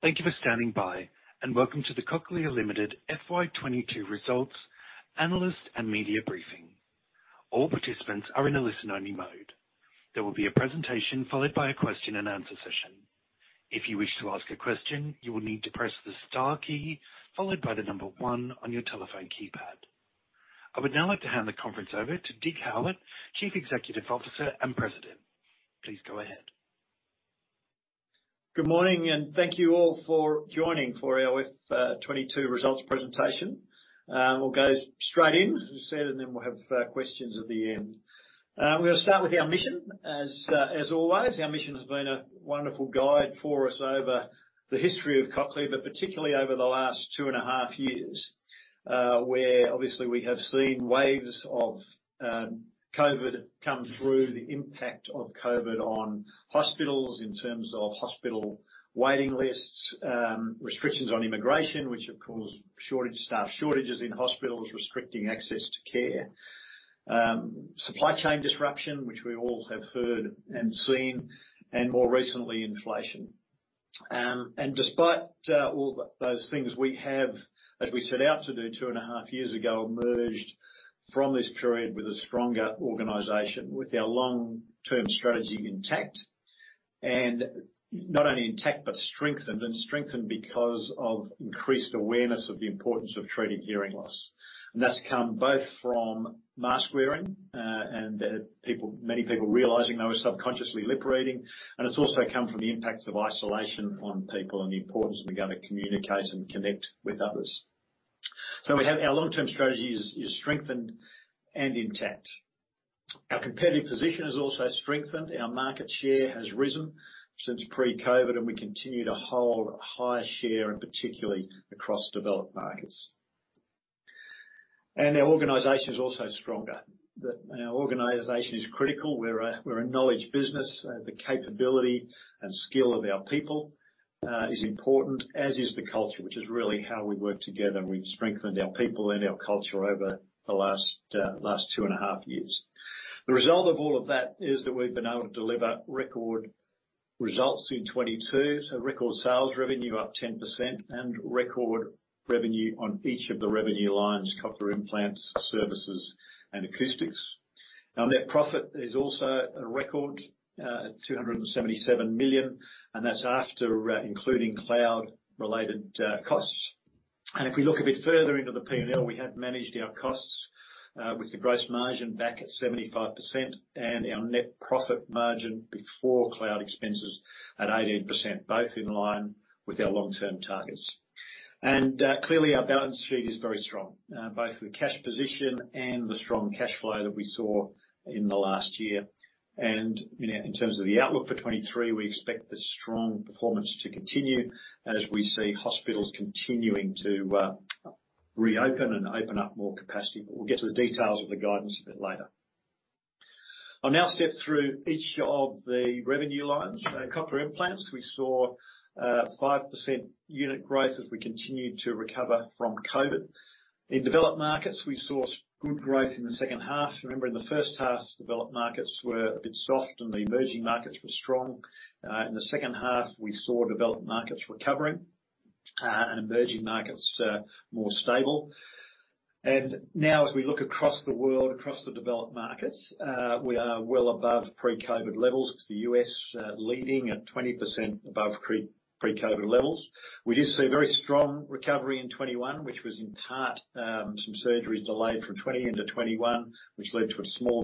Thank you for standing by, and welcome to the Cochlear Limited FY 22 results analyst and media briefing. All participants are in a listen-only mode. There will be a presentation followed by a question-and-answer session. If you wish to ask a question, you will need to press the star key followed by the number 1 on your telephone keypad. I would now like to hand the conference over to Dig Howitt, Chief Executive Officer and President. Please go ahead. Good morning, and thank you all for joining for our FY 22 results presentation. We'll go straight in, as you said, and then we'll have questions at the end. I'm gonna start with our mission as always. Our mission has been a wonderful guide for us over the history of Cochlear, but particularly over the last 2.5 years, where obviously we have seen waves of COVID come through, the impact of COVID on hospitals in terms of hospital waiting lists, restrictions on immigration, which have caused staff shortages in hospitals restricting access to care, supply chain disruption, which we all have heard and seen, and more recently, inflation. Despite all those things, we have, as we set out to do 2.5 years ago, emerged from this period with a stronger organization, with our long-term strategy intact. Not only intact, but strengthened, and strengthened because of increased awareness of the importance of treating hearing loss. That's come both from mask-wearing and people many people realizing they were subconsciously lipreading, and it's also come from the impacts of isolation on people and the importance of being able to communicate and connect with others. Our long-term strategy is strengthened and intact. Our competitive position has also strengthened. Our market share has risen since pre-COVID, and we continue to hold a higher share, and particularly across developed markets. Our organization is also stronger. Our organization is critical. We're a knowledge business. The capability and skill of our people is important, as is the culture, which is really how we work together. We've strengthened our people and our culture over the last two and a half years. The result of all of that is that we've been able to deliver record results in 2022. Record sales revenue up 10% and record revenue on each of the revenue lines, cochlear implants, services, and acoustics. Our net profit is also a record at 277 million, and that's after including cloud-related costs. If we look a bit further into the P&L, we have managed our costs with the gross margin back at 75% and our net profit margin before cloud expenses at 18%, both in line with our long-term targets. Clearly, our balance sheet is very strong, both the cash position and the strong cash flow that we saw in the last year. In terms of the outlook for 2023, we expect the strong performance to continue as we see hospitals continuing to reopen and open up more capacity. We'll get to the details of the guidance a bit later. I'll now step through each of the revenue lines. cochlear implants, we saw 5% unit growth as we continued to recover from COVID. In developed markets, we saw strong growth in the second half. Remember in the first half, developed markets were a bit soft, and the emerging markets were strong. In the second half, we saw developed markets recovering, and emerging markets more stable. Now as we look across the world, across the developed markets, we are well above pre-COVID levels with the U.S.small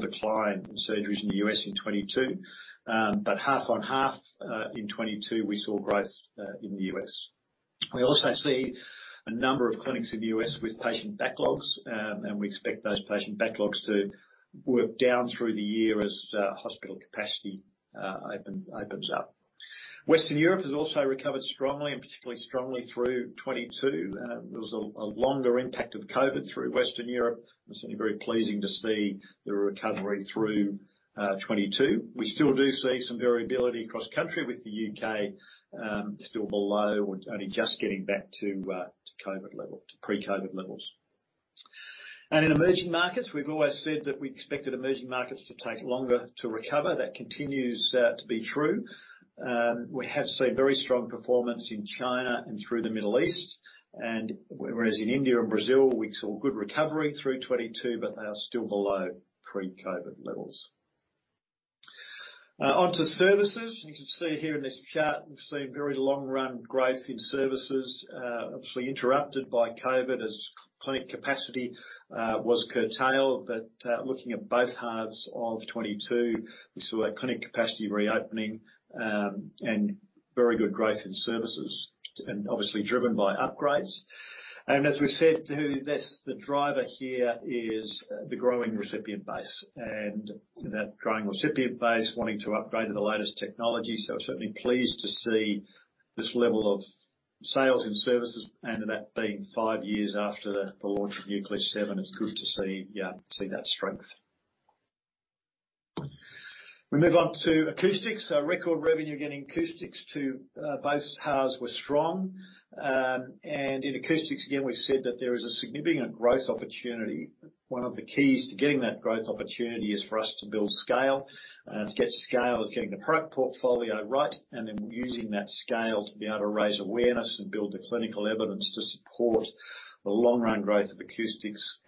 decline in surgeries in the U.S. in 2022. Half on half in 2022, we saw growth in the U.S. We also see a number of clinics in the U.S. with patient backlogs, and we expect those patient backlogs to work down through the year as hospital capacity opens up. Western Europe has also recovered strongly, and particularly strongly through 2022. There was a longer impact of COVID through Western Europe. It's certainly very pleasing to see the recovery through 2022. We still do see some variability across country, with the UK still below or only just getting back to to COVID level, to pre-COVID levels. In emerging markets, we've always said that we expected emerging markets to take longer to recover. That continues to be true. We have seen very strong performance in China and through the Middle East. Whereas in India and Brazil, we saw good recovery through 2022, but they are still below pre-COVID levels. Onto services. You can see here in this chart, we've seen very long-run growth in services, obviously interrupted by COVID as clinic capacity was curtailed. Looking at both halves of 2022, we saw a clinic capacity reopening, and very good growth in services, and obviously driven by upgrades. As we've said to this, the driver here is the growing recipient base. That growing recipient base wanting to upgrade to the latest technology. Certainly pleased to see this level of sales and services, and that being 5 years after the launch of Nucleus 7, it's good to see that strength. We move on to acoustics. Our record revenue gain in acoustics too, both HAs were strong. In acoustics, again, we've said that there is a significant growth opportunity. One of the keys to getting that growth opportunity is for us to build scale. To get scale is getting the product portfolio right and then using that scale to be able to raise awareness and build the clinical evidence to support the long-run growth of acoustics.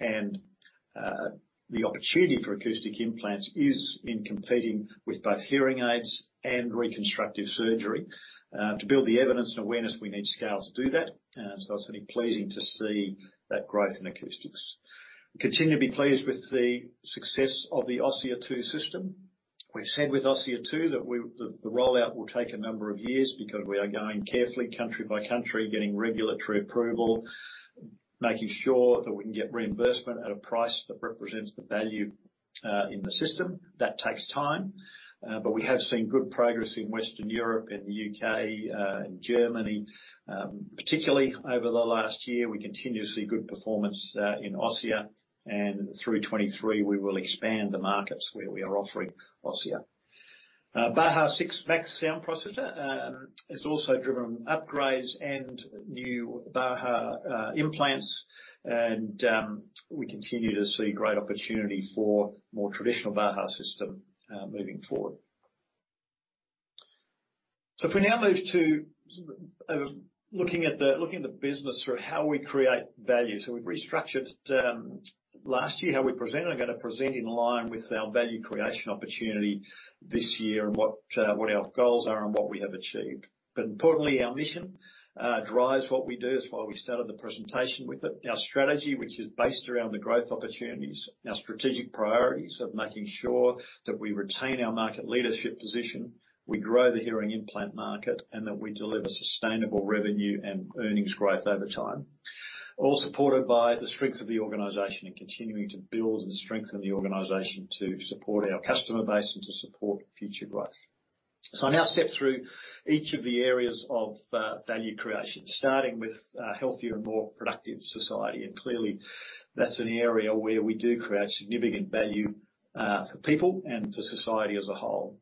The opportunity for acoustic implants is in competing with both hearing aids and reconstructive surgery. To build the evidence and awareness, we need scale to do that. It's certainly pleasing to see that growth in acoustics. Continue to be pleased with the success of the Osia 2 system. We've said with Osia 2 that the rollout will take a number of years because we are going carefully country by country, getting regulatory approval, making sure that we can get reimbursement at a price that represents the value in the system. That takes time, but we have seen good progress in Western Europe and the UK and Germany. Particularly over the last year, we continue to see good performance in Osia, and through 2023, we will expand the markets where we are offering Osia. Baha 6 Max sound processor has also driven upgrades and new Baha implants, and we continue to see great opportunity for more traditional Baha system moving forward. If we now move to sort of looking at the business through how we create value. We've restructured last year how we present and are gonna present in line with our value creation opportunity this year and what our goals are and what we have achieved. Importantly, our mission drives what we do. It's why we started the presentation with it. Our strategy, which is based around the growth opportunities, our strategic priorities of making sure that we retain our market leadership position, we grow the hearing implant market, and that we deliver sustainable revenue and earnings growth over time, all supported by the strength of the organization and continuing to build and strengthen the organization to support our customer base and to support future growth. I now step through each of the areas of value creation, starting with a healthier and more productive society. Clearly that's an area where we do create significant value for people and for society as a whole.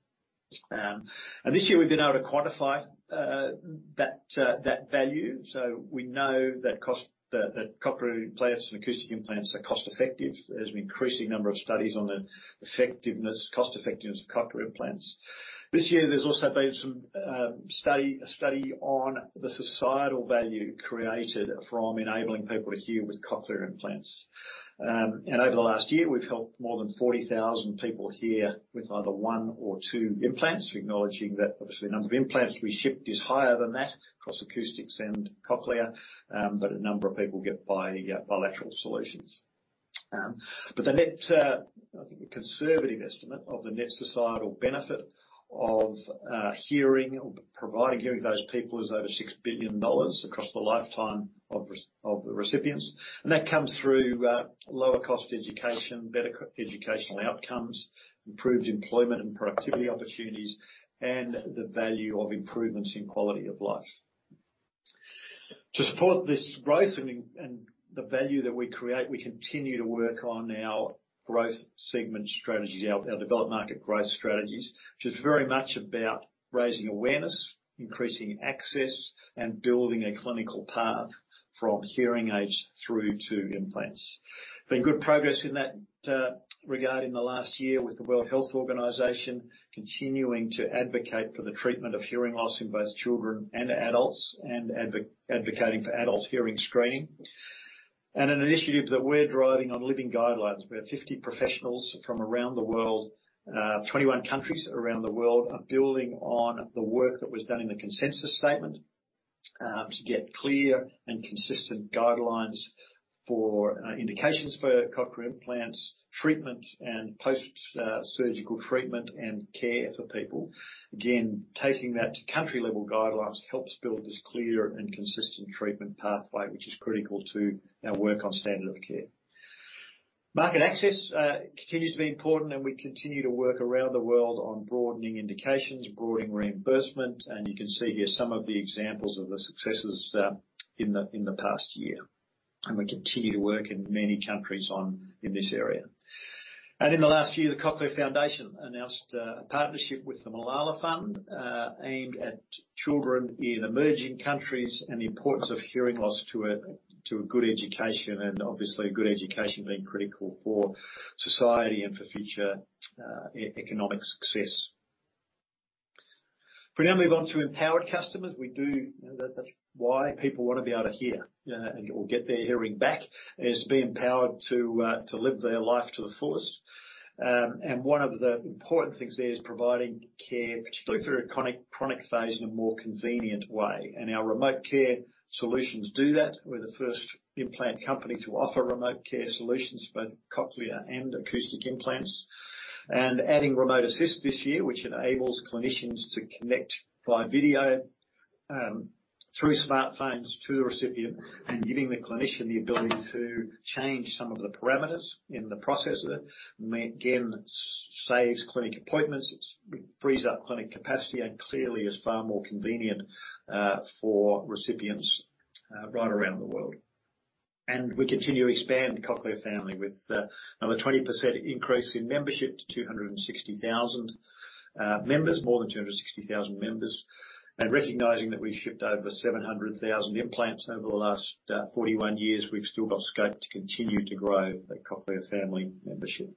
This year we've been able to quantify that value. We know that cochlear implants and acoustic implants are cost-effective. There's an increasing number of studies on the effectiveness, cost-effectiveness of cochlear implants. This year there's also been a study on the societal value created from enabling people to hear with cochlear implants. Over the last year, we've helped more than 40,000 people hear with either one or two implants. We're acknowledging that obviously the number of implants we shipped is higher than that across acoustic and Cochlear, but a number of people get bilateral solutions. The net, I think a conservative estimate of the net societal benefit of hearing or providing hearing to those people is over 6 billion dollars across the lifetime of the recipients. That comes through lower cost education, better educational outcomes, improved employment and productivity opportunities, and the value of improvements in quality of life. To support this growth and the value that we create, we continue to work on our growth segment strategies, our developed market growth strategies. Which is very much about raising awareness, increasing access, and building a clinical path from hearing aids through to implants. There's been good progress in that regard in the last year with the World Health Organization continuing to advocate for the treatment of hearing loss in both children and adults, and advocating for adult hearing screening. An initiative that we're driving on living guidelines. We have 50 professionals from around the world, 21 countries around the world are building on the work that was done in the consensus statement to get clear and consistent guidelines for indications for cochlear implants, treatment, and post surgical treatment and care for people. Again, taking that to country-level guidelines helps build this clear and consistent treatment pathway, which is critical to our work on standard of care. Market access continues to be important, and we continue to work around the world on broadening indications, broadening reimbursement, and you can see here some of the examples of the successes in the past year, and we continue to work in many countries on this area. In the last year, the Cochlear Foundation announced a partnership with the Malala Fund aimed at children in emerging countries and the importance of hearing loss to a good education and obviously a good education being critical for society and for future economic success. If we now move on to empowered customers, we do That, that's why people wanna be able to hear, or get their hearing back, is be empowered to live their life to the fullest. One of the important things there is providing care, particularly through a chronic phase, in a more convenient way. Our Remote Care solutions do that. We're the first implant company to offer Remote Care solutions for both cochlear and acoustic implants. Adding Remote Assist this year, which enables clinicians to connect via video, through smartphones to the recipient, and giving the clinician the ability to change some of the parameters in the processor. Again, it saves clinic appointments, it frees up clinic capacity, and clearly is far more convenient for recipients right around the world. We continue to expand the Cochlear Family with another 20% increase in membership to 260,000 members, more than 260,000 members. Recognizing that we've shipped over 700,000 implants over the last 41 years, we've still got scope to continue to grow the Cochlear Family membership.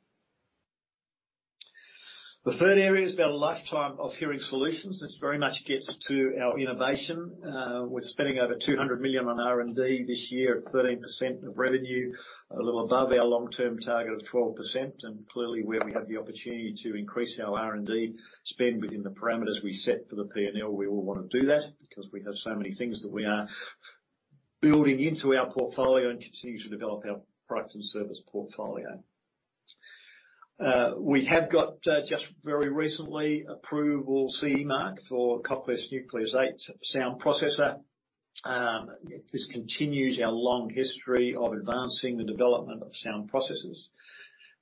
The third area is about a lifetime of hearing solutions. This very much gets to our innovation. We're spending over 200 million on R&D this year at 13% of revenue, a little above our long-term target of 12%, and clearly where we have the opportunity to increase our R&D spend within the parameters we set for the P&L, we all wanna do that because we have so many things that we are building into our portfolio and continue to develop our product and service portfolio. We have got just very recently approval CE mark for Cochlear's Nucleus 8 sound processor. This continues our long history of advancing the development of sound processors.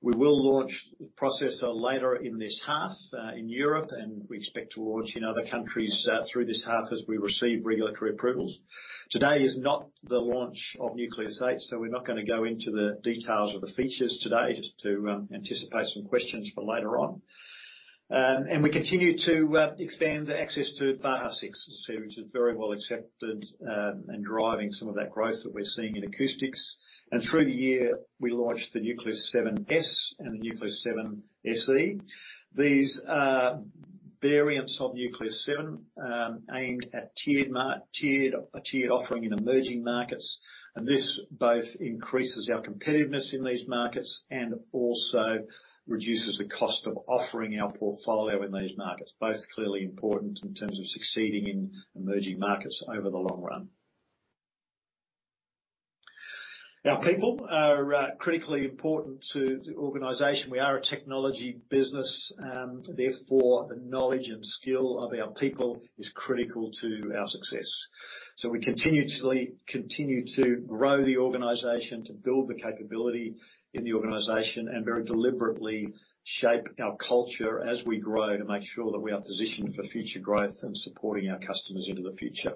We will launch the processor later in this half in Europe, and we expect to launch in other countries through this half as we receive regulatory approvals. Today is not the launch of Nucleus 8, so we're not gonna go into the details of the features today, just to anticipate some questions for later on. We continue to expand the access to Baha 6, which is very well accepted and driving some of that growth that we're seeing in acoustics. Through the year, we launched the Nucleus 7S and the Nucleus 7SE. These are variants of Nucleus 7, aimed at a tiered offering in emerging markets. This both increases our competitiveness in these markets and also reduces the cost of offering our portfolio in those markets. Both clearly important in terms of succeeding in emerging markets over the long run. Our people are critically important to the organization. We are a technology business, and therefore, the knowledge and skill of our people is critical to our success. We continue to grow the organization, to build the capability in the organization, and very deliberately shape our culture as we grow to make sure that we are positioned for future growth and supporting our customers into the future.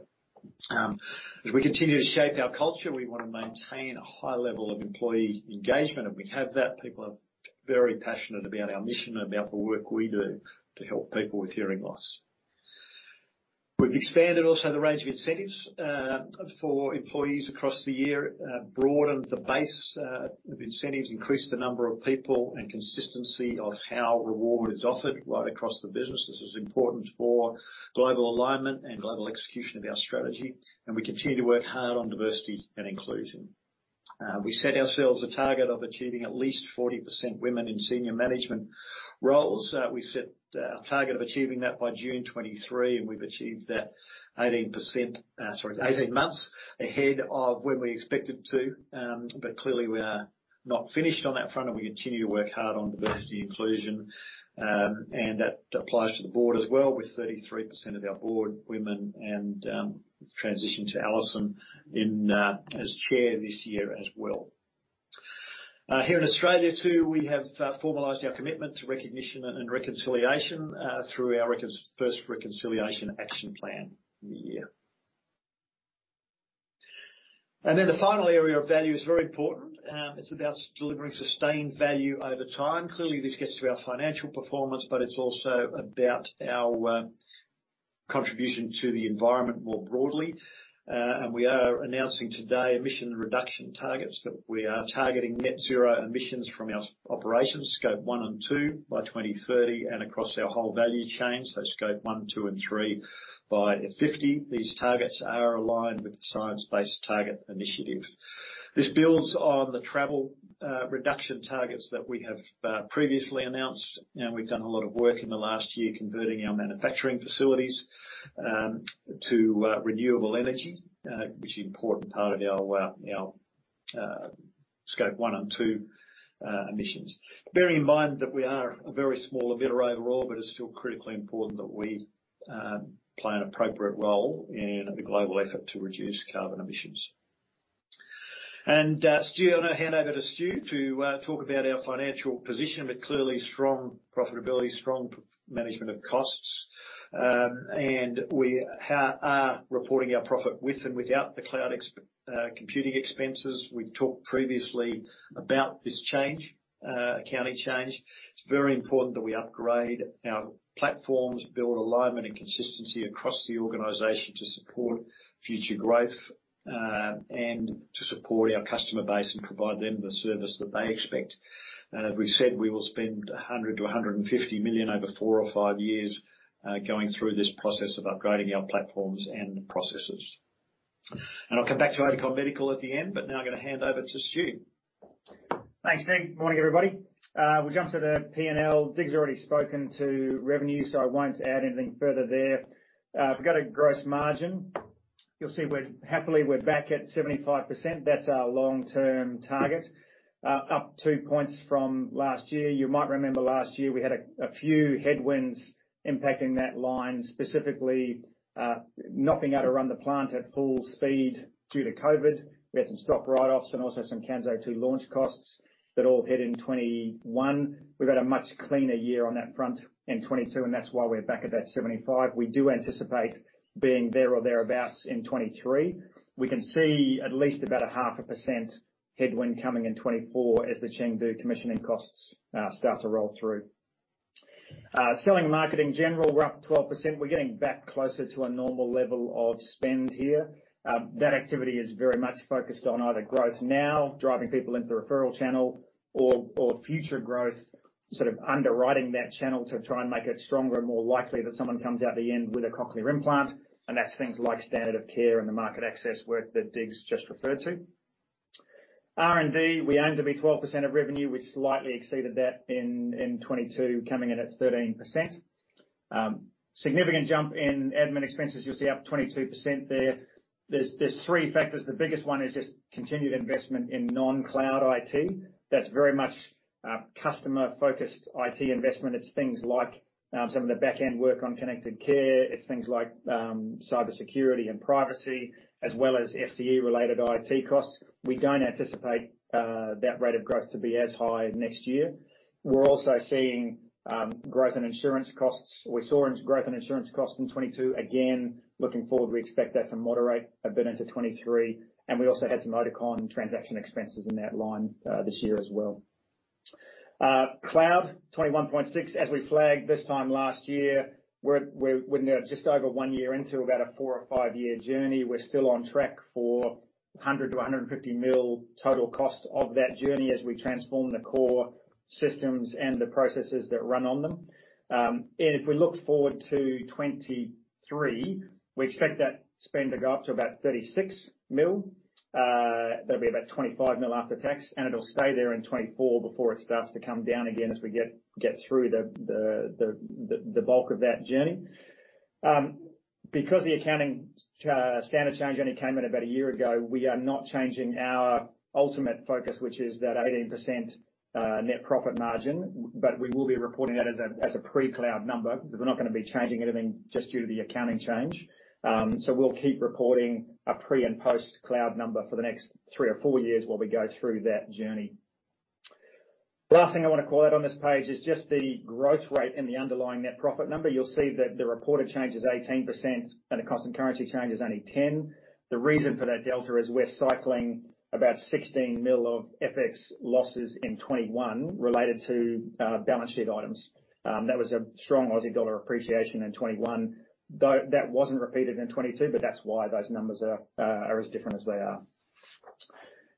As we continue to shape our culture, we wanna maintain a high level of employee engagement, and we have that. People are very passionate about our mission and about the work we do to help people with hearing loss. We've expanded also the range of incentives for employees across the year, broadened the base of incentives, increased the number of people and consistency of how reward is offered right across the business. This is important for global alignment and global execution of our strategy, and we continue to work hard on diversity and inclusion. We set ourselves a target of achieving at least 40% women in senior management roles. We set a target of achieving that by June 2023, and we've achieved that 18%, sorry, 18 months ahead of when we expected to. Clearly, we are not finished on that front, and we continue to work hard on diversity and inclusion. That applies to the board as well, with 33% of our board women and, transition to Alison in, as chair this year as well. Here in Australia too, we have formalized our commitment to recognition and, reconciliation, through our first Reconciliation Action Plan in the year. The final area of value is very important. It's about delivering sustained value over time. Clearly, this gets to our financial performance, but it's also about our contribution to the environment more broadly. We are announcing today emission reduction targets that we are targeting net zero emissions from our operations, Scope 1 and 2, by 2030 and across our whole value chain, so Scope 1, 2, and 3 by 2050. These targets are aligned with the Science Based Targets initiative. This builds on the travel reduction targets that we have previously announced. You know, we've done a lot of work in the last year converting our manufacturing facilities to renewable energy, which is an important part of our Scope 1 and 2 emissions. Bearing in mind that we are a very small emitter overall, but it's still critically important that we play an appropriate role in the global effort to reduce carbon emissions. Stu, I'm gonna hand over to Stu to talk about our financial position, but clearly strong profitability, strong management of costs. We are reporting our profit with and without the cloud computing expenses. We've talked previously about this accounting change. It's very important that we upgrade our platforms, build alignment and consistency across the organization to support future growth, and to support our customer base and provide them the service that they expect. As we've said, we will spend 100 million-150 million over four or five years going through this process of upgrading our platforms and processes. I'll come back to Oticon Medical at the end, but now I'm gonna hand over to Stu. Thanks, Dig. Morning, everybody. We'll jump to the P&L. Dig's already spoken to revenue, so I won't add anything further there. If we go to gross margin, you'll see we're happily back at 75%. That's our long-term target, up 2 points from last year. You might remember last year we had a few headwinds impacting that line, specifically not being able to run the plant at full speed due to COVID. We had some stock write-offs and also some Kanso 2 launch costs that all hit in 2021. We've had a much cleaner year on that front in 2022, and that's why we're back at that 75. We do anticipate being there or thereabout in 2023. We can see at least about 0.5% headwind coming in 2024 as the Chengdu commissioning costs start to roll through. SG&A, we're up 12%. We're getting back closer to a normal level of spend here. That activity is very much focused on either growth now, driving people into the referral channel, or future growth, sort of underwriting that channel to try and make it stronger and more likely that someone comes out the end with a Cochlear implant, and that's things like standard of care and the market access work that Dig's just referred to. R&D, we aim to be 12% of revenue. We slightly exceeded that in 2022, coming in at 13%. Significant jump in admin expenses. You'll see up 22% there. There's three factors. The biggest one is just continued investment in non-cloud IT. That's very much customer-focused IT investment. It's things like some of the back-end work on connected care. It's things like cyber security and privacy, as well as FCE-related IT costs. We don't anticipate that rate of growth to be as high next year. We're also seeing growth in insurance costs. We saw growth in insurance costs in 2022. Again, looking forward, we expect that to moderate a bit into 2023, and we also had some Oticon transaction expenses in that line this year as well. Cloud 21.6. As we flagged this time last year, we're now just over 1 year into about a 4- or 5-year journey. We're still on track for 100 million-150 million total cost of that journey as we transform the core systems and the processes that run on them. If we look forward to 2023, we expect that spend to go up to about 36 million. That'll be about 25 million after tax, and it'll stay there in 2024 before it starts to come down again as we get through the bulk of that journey. Because the accounting standard change only came in about a year ago, we are not changing our ultimate focus, which is that 18% net profit margin, but we will be reporting that as a pre-cloud number. We're not gonna be changing anything just due to the accounting change. We'll keep reporting a pre- and post-cloud number for the next three or four years while we go through that journey. Last thing I wanna call out on this page is just the growth rate and the underlying net profit number. You'll see that the reported change is 18% and the constant currency change is only 10%. The reason for that delta is we're cycling about 16 million of FX losses in 2021 related to balance sheet items. That was a strong Aussie dollar appreciation in 2021. Though that wasn't repeated in 2022, but that's why those numbers are as different as they are.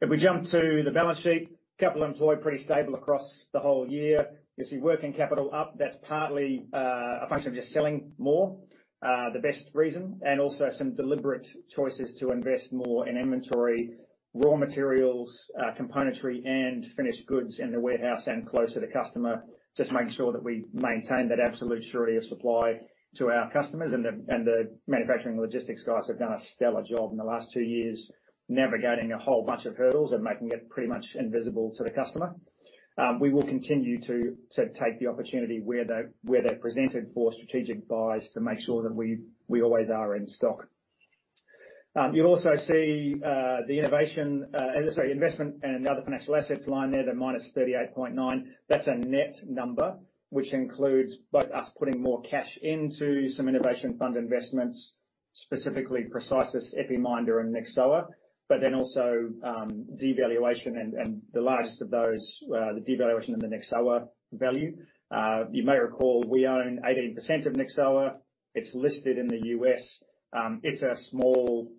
If we jump to the balance sheet, capital employed pretty stable across the whole year. You'll see working capital up. That's partly a function of just selling more, the best reason, and also some deliberate choices to invest more in inventory, raw materials, componentry, and finished goods in the warehouse and closer to customer, just making sure that we maintain that absolute surety of supply to our customers. The manufacturing and logistics guys have done a stellar job in the last two years navigating a whole bunch of hurdles and making it pretty much invisible to the customer. We will continue to take the opportunity where they're presented for strategic buys to make sure that we always are in stock. You'll also see the investment and other financial assets line there, the -38.9. That's a net number, which includes both us putting more cash into some innovation fund investments, specifically Precisis, Epiminder and Nyxoah, but then also devaluation. The largest of those, the devaluation of the Nyxoah value. You may recall we own 18% of Nyxoah. It's listed in the U.S. It's a small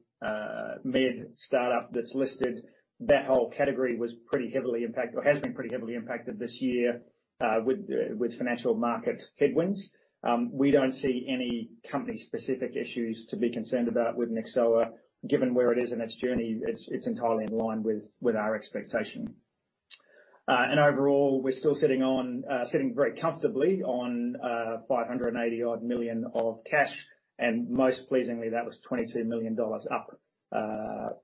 mid startup that's listed. That whole category has been pretty heavily impacted this year with financial market headwinds. We don't see any company-specific issues to be concerned about with Nyxoah. Given where it is in its journey, it's entirely in line with our expectation. Overall, we're still sitting very comfortably on 580-odd million of cash, and most pleasingly, that was 22 million dollars up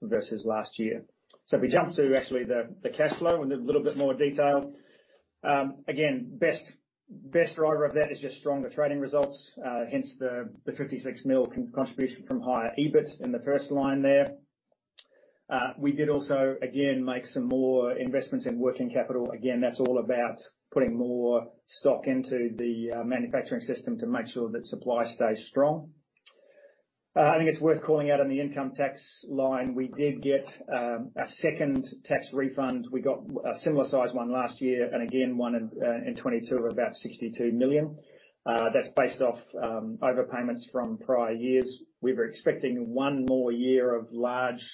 versus last year. If we jump to actually the cash flow in a little bit more detail. Again, best driver of that is just stronger trading results. Hence the 56 million contribution from higher EBIT in the first line there. We did also again make some more investments in working capital. Again, that's all about putting more stock into the manufacturing system to make sure that supply stays strong. I think it's worth calling out on the income tax line. We did get a second tax refund. We got a similar sized one last year, and again, one in 2022 of about 62 million. That's based off overpayments from prior years. We're expecting one more year of large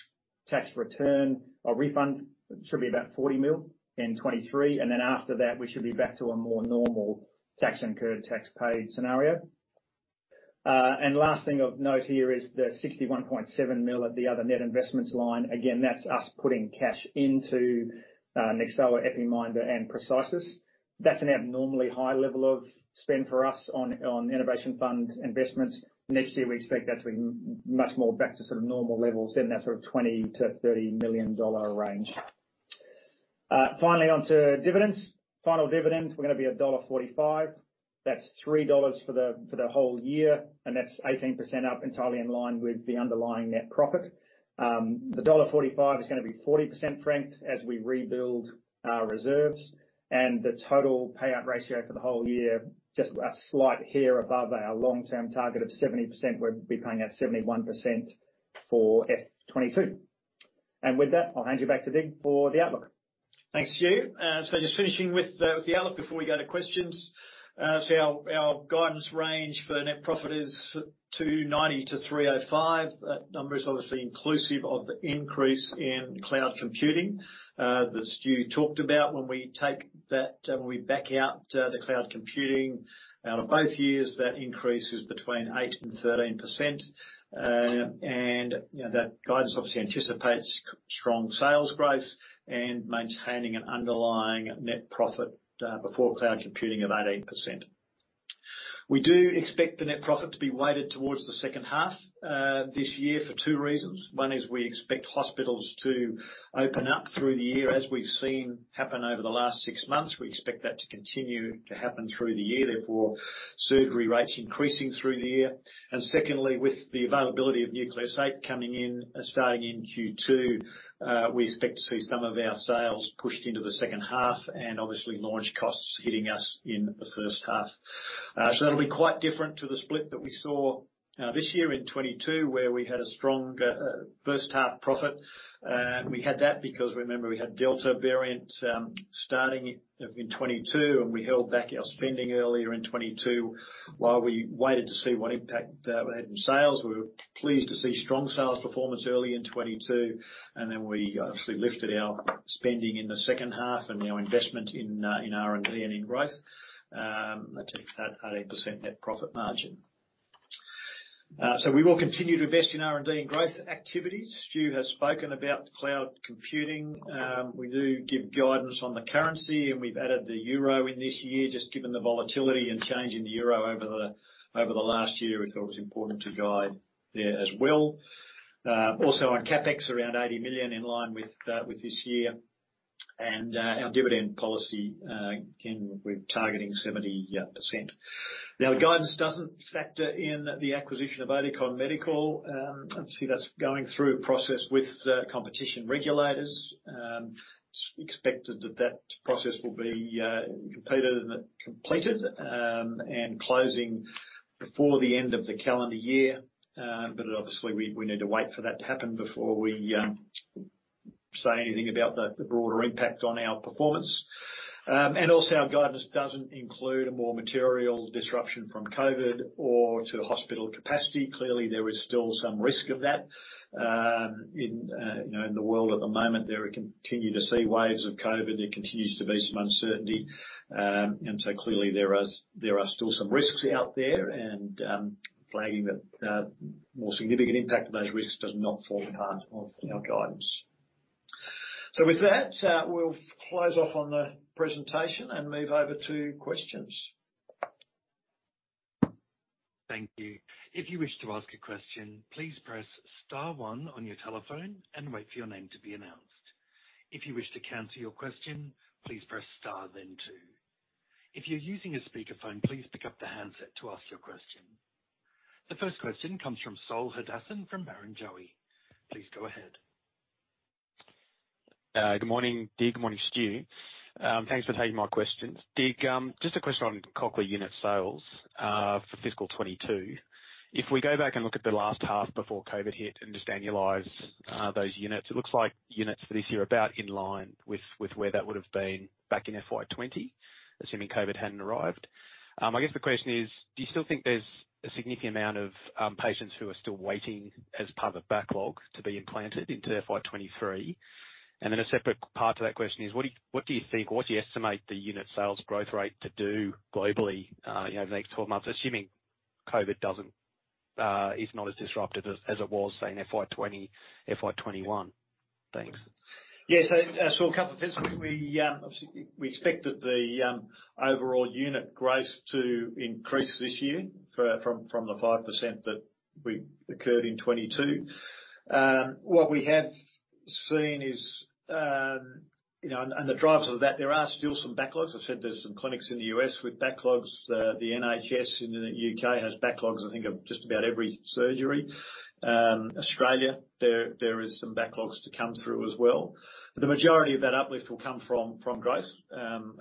tax return or refund. Should be about 40 million in 2023, and then after that, we should be back to a more normal tax incurred, tax paid scenario. Last thing of note here is the 61.7 million at the other net investments line. Again, that's us putting cash into Nyxoah, Epiminder and Precisis. That's an abnormally high level of spend for us on innovation fund investments. Next year we expect that to be much more back to sort of normal levels in that sort of 20 million-30 million dollar range. Finally, onto dividends. Final dividend, we're gonna be dollar 1.45. That's 3 dollars for the whole year, and that's 18% up, entirely in line with the underlying net profit. The dollar 1.45 is gonna be 40% franked as we rebuild our reserves. The total payout ratio for the whole year, just a slight hair above our long-term target of 70%. We'll be paying out 71% for FY 2022. With that, I'll hand you back to Dig Howitt for the outlook. Thanks, Stu. So just finishing with the outlook before we go to questions. So our guidance range for net profit is 290-305. That number is obviously inclusive of the increase in cloud computing that Stu talked about. When we take that, when we back out the cloud computing out of both years, that increase is between 8% and 13%. You know, that guidance obviously anticipates strong sales growth and maintaining an underlying net profit before cloud computing of 18%. We do expect the net profit to be weighted towards the second half this year for two reasons. One is we expect hospitals to open up through the year, as we've seen happen over the last six months. We expect that to continue to happen through the year, therefore, surgery rates increasing through the year. Secondly, with the availability of Nucleus 8 coming in and starting in Q2, we expect to see some of our sales pushed into the second half and obviously launch costs hitting us in the first half. So that'll be quite different to the split that we saw this year in 2022, where we had a strong first half profit. We had that because remember, we had Delta variant starting in 2022, and we held back our spending earlier in 2022 while we waited to see what impact that would have in sales. We were pleased to see strong sales performance early in 2022, and then we obviously lifted our spending in the second half and our investment in R&D and in growth to hit that 18% net profit margin. We will continue to invest in R&D and growth activities. Stu has spoken about cloud computing. We do give guidance on the currency, and we've added the euro in this year. Given the volatility and change in the euro over the last year, we thought it was important to guide there as well. Also on CapEx, around 80 million, in line with this year. Our dividend policy, again, we're targeting 70%. Now, the guidance doesn't factor in the acquisition of Oticon Medical. Obviously, that's going through a process with competition regulators. It's expected that process will be completed and closing before the end of the calendar year. Obviously we need to wait for that to happen before we say anything about the broader impact on our performance. Our guidance doesn't include a more material disruption from COVID or to hospital capacity. Clearly, there is still some risk of that, you know, in the world at the moment. We continue to see waves of COVID. There continues to be some uncertainty. Clearly there are still some risks out there. Flagging that more significant impact of those risks does not form part of our guidance. With that, we'll close off on the presentation and move over to questions. Thank you. If you wish to ask a question, please press star one on your telephone and wait for your name to be announced. If you wish to cancel your question, please press star then two. If you're using a speakerphone, please pick up the handset to ask your question. The first question comes from Saul Hadassin from Barrenjoey. Please go ahead. Good morning, Dig. Good morning, Stu. Thanks for taking my questions. Dig, just a question on Cochlear unit sales for fiscal '22. If we go back and look at the last half before COVID hit and just annualize those units, it looks like units for this year are about in line with where that would've been back in FY 2020, assuming COVID hadn't arrived. I guess the question is: Do you still think there's a significant amount of patients who are still waiting as part of a backlog to be implanted into FY '23? A separate part to that question is: What do you think or what do you estimate the unit sales growth rate to do globally, you know, over the next 12 months, assuming COVID is not as disruptive as it was, say, in FY '20, FY '21? Thanks. Yeah. Saul, a couple of things. We obviously expect that the overall unit growth to increase this year from the 5% that we recorded in 2022. What we have seen is, you know, the drivers of that, there are still some backlogs. I said there's some clinics in the U.S. with backlogs. The NHS in the U.K. has backlogs, I think, of just about every surgery. Australia, there is some backlogs to come through as well. The majority of that uplift will come from growth,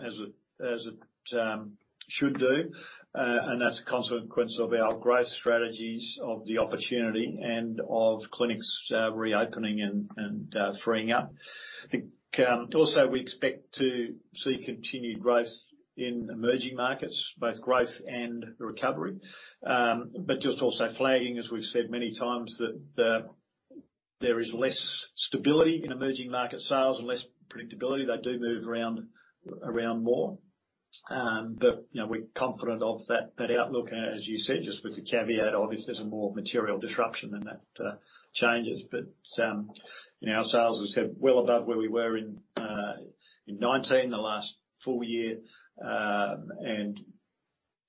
as it should do. That's a consequence of our growth strategies, of the opportunity, and of clinics reopening and freeing up. I think also we expect to see continued growth in emerging markets, both growth and recovery. Just also flagging, as we've said many times, that there is less stability in emerging market sales and less predictability. They do move around more. You know, we're confident of that outlook, as you said, just with the caveat, obviously, if there's a more material disruption, then that changes. You know, our sales are, as I said, well above where we were in 2019, the last full year.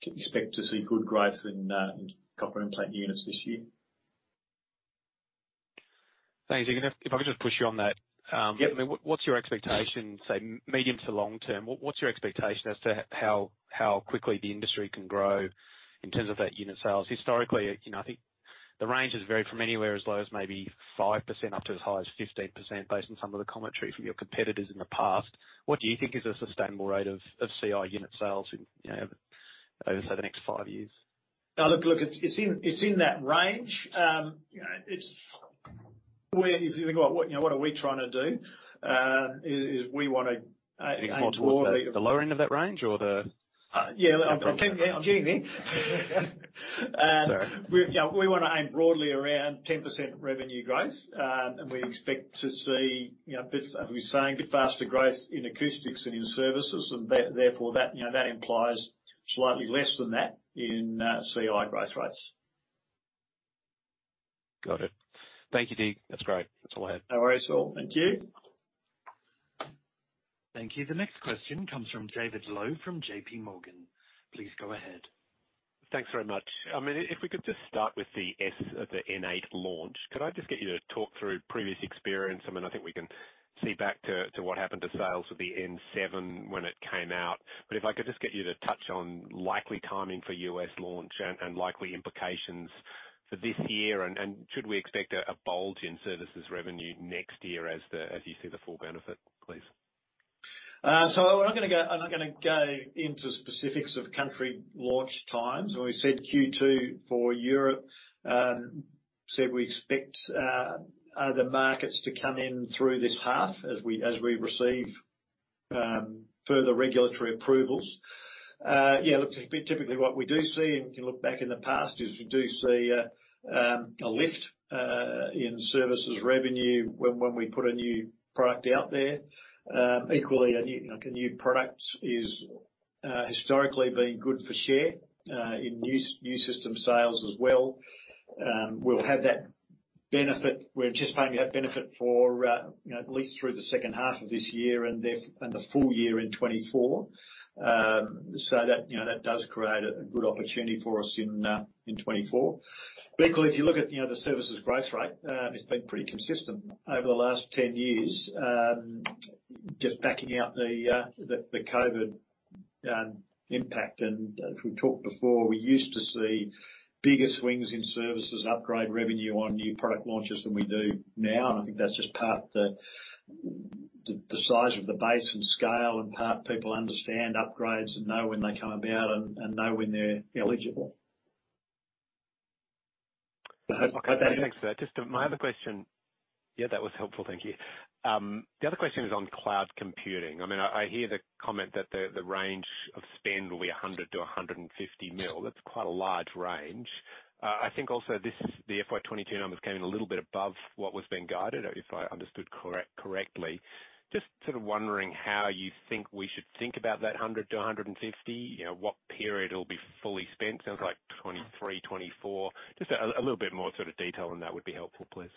Expect to see good growth in Cochlear implant units this year. Thanks. If I could just push you on that. Yep. I mean, what's your expectation, say, medium to long term? What's your expectation as to how quickly the industry can grow in terms of that unit sales? Historically, you know, I think the range has varied from anywhere as low as maybe 5% up to as high as 15%, based on some of the commentary from your competitors in the past. What do you think is a sustainable rate of CI unit sales in, you know? Over, say, the next five years. Now, look, it's in that range. You know, if you think about, you know, what are we trying to do, is we wanna aim more- More toward the lower end of that range. Yeah. I'm coming there. I'm getting there. Sorry. We wanna aim broadly around 10% revenue growth. We expect to see, you know, as we've been saying, faster growth in acoustics and in services, and therefore that implies slightly less than that in CI growth rates. Got it. Thank you, Dig. That's great. That's all I had. No worries at all. Thank you. Thank you. The next question comes from David Low from JP Morgan. Please go ahead. Thanks very much. I mean, if we could just start with the N8 launch. Could I just get you to talk through previous experience? I mean, I think we can see back to what happened to sales with the N7 when it came out. But if I could just get you to touch on likely timing for U.S. launch and likely implications for this year. Should we expect a bulge in services revenue next year as you see the full benefit, please? I'm not gonna go into specifics of country launch times. When we said Q2 for Europe, we expect the markets to come in through this half as we receive further regulatory approvals. Typically, what we see, and you can look back in the past, is a lift in services revenue when we put a new product out there. Equally, a new product has historically been good for share in new system sales as well. We'll have that benefit. We're anticipating that benefit at least through the second half of this year and the full year in 2024. That does create a good opportunity for us in 2024. Equally, if you look at, you know, the services growth rate, it's been pretty consistent over the last 10 years. Just backing out the COVID impact. As we talked before, we used to see bigger swings in services upgrade revenue on new product launches than we do now. I think that's just part the size of the base and scale, and part people understand upgrades and know when they come about and know when they're eligible. Okay, thanks for that. Just my other question. Yeah, that was helpful. Thank you. The other question is on cloud computing. I mean, I hear the comment that the range of spend will be 100 million-150 million. That's quite a large range. I think also this, the FY 2022 numbers came in a little bit above what was being guided, if I understood correctly. Just sort of wondering how you think we should think about that 100 to 150. You know, what period it'll be fully spent. Sounds like 2023, 2024. Just a little bit more sort of detail on that would be helpful, please.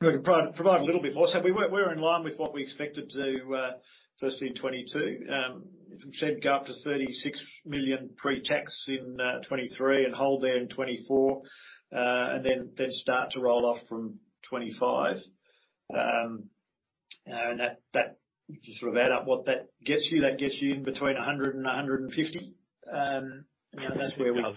We can provide a little bit more. We were in line with what we expected to firstly in 2022. As I said, go up to 36 million pre-tax in 2023 and hold there in 2024, and then start to roll off from 2025. You can sort of add up what that gets you. That gets you between 100 million and 150 million. You know, that's where we Love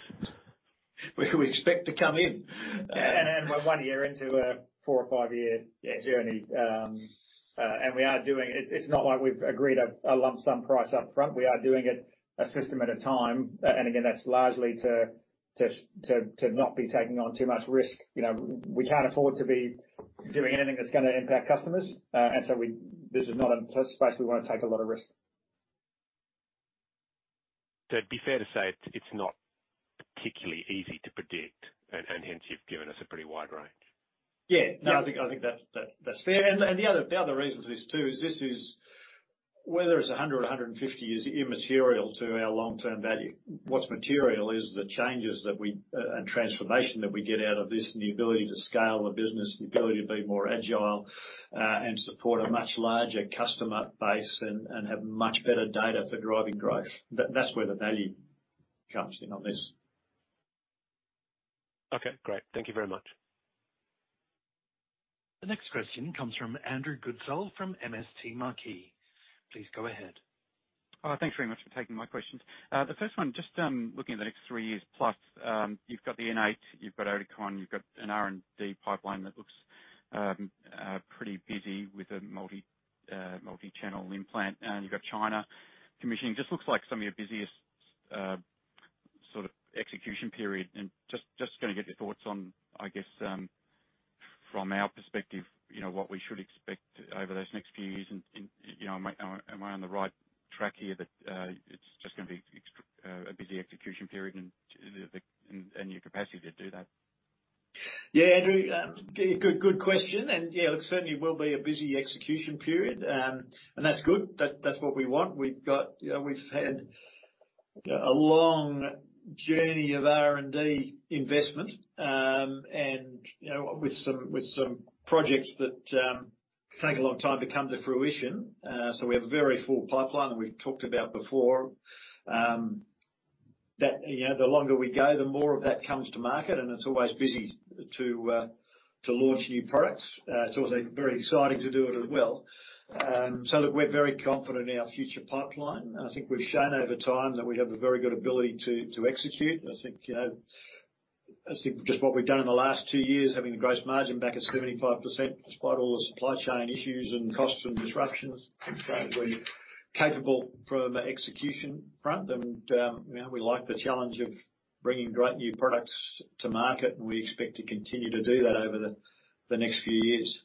Where we expect to come in. We're one year into a four- or five-year journey. We are doing it. It's not like we've agreed a lump sum price up front. We are doing it a system at a time. That's largely to not be taking on too much risk. You know, we can't afford to be doing anything that's gonna impact customers. This is not a space we wanna take a lot of risk. It'd be fair to say it's not particularly easy to predict and hence you've given us a pretty wide range. Yeah. No, I think that's fair. The other reason for this too is this is whether it's 100 or 150 is immaterial to our long-term value. What's material is the changes and transformation that we get out of this and the ability to scale the business, the ability to be more agile, and support a much larger customer base and have much better data for driving growth. That's where the value comes in on this. Okay, great. Thank you very much. The next question comes from Andrew Goodsall from MST Marquee. Please go ahead. Thanks very much for taking my questions. The first one, just looking at the next three years plus, you've got the N8, you've got Oticon, you've got an R&D pipeline that looks pretty busy with a multi-channel implant. You've got China commissioning. Just looks like some of your busiest sort of execution period. Just gonna get your thoughts on, I guess, from our perspective, you know, what we should expect over those next few years. You know, am I on the right track here that it's just gonna be a busy execution period and your capacity to do that? Yeah, Andrew. Good question. Yeah, look, certainly will be a busy execution period. That's good. That's what we want. We've got, you know, we've had, you know, a long journey of R&D investment, and, you know, with some projects that take a long time to come to fruition. We have a very full pipeline, and we've talked about before that, you know, the longer we go, the more of that comes to market, and it's always busy to launch new products. It's also very exciting to do it as well. Look, we're very confident in our future pipeline. I think we've shown over time that we have a very good ability to execute. I think just what we've done in the last two years, having the gross margin back at 75% despite all the supply chain issues and costs and disruptions. We're capable from an execution front and, you know, we like the challenge of bringing great new products to market, and we expect to continue to do that over the next few years.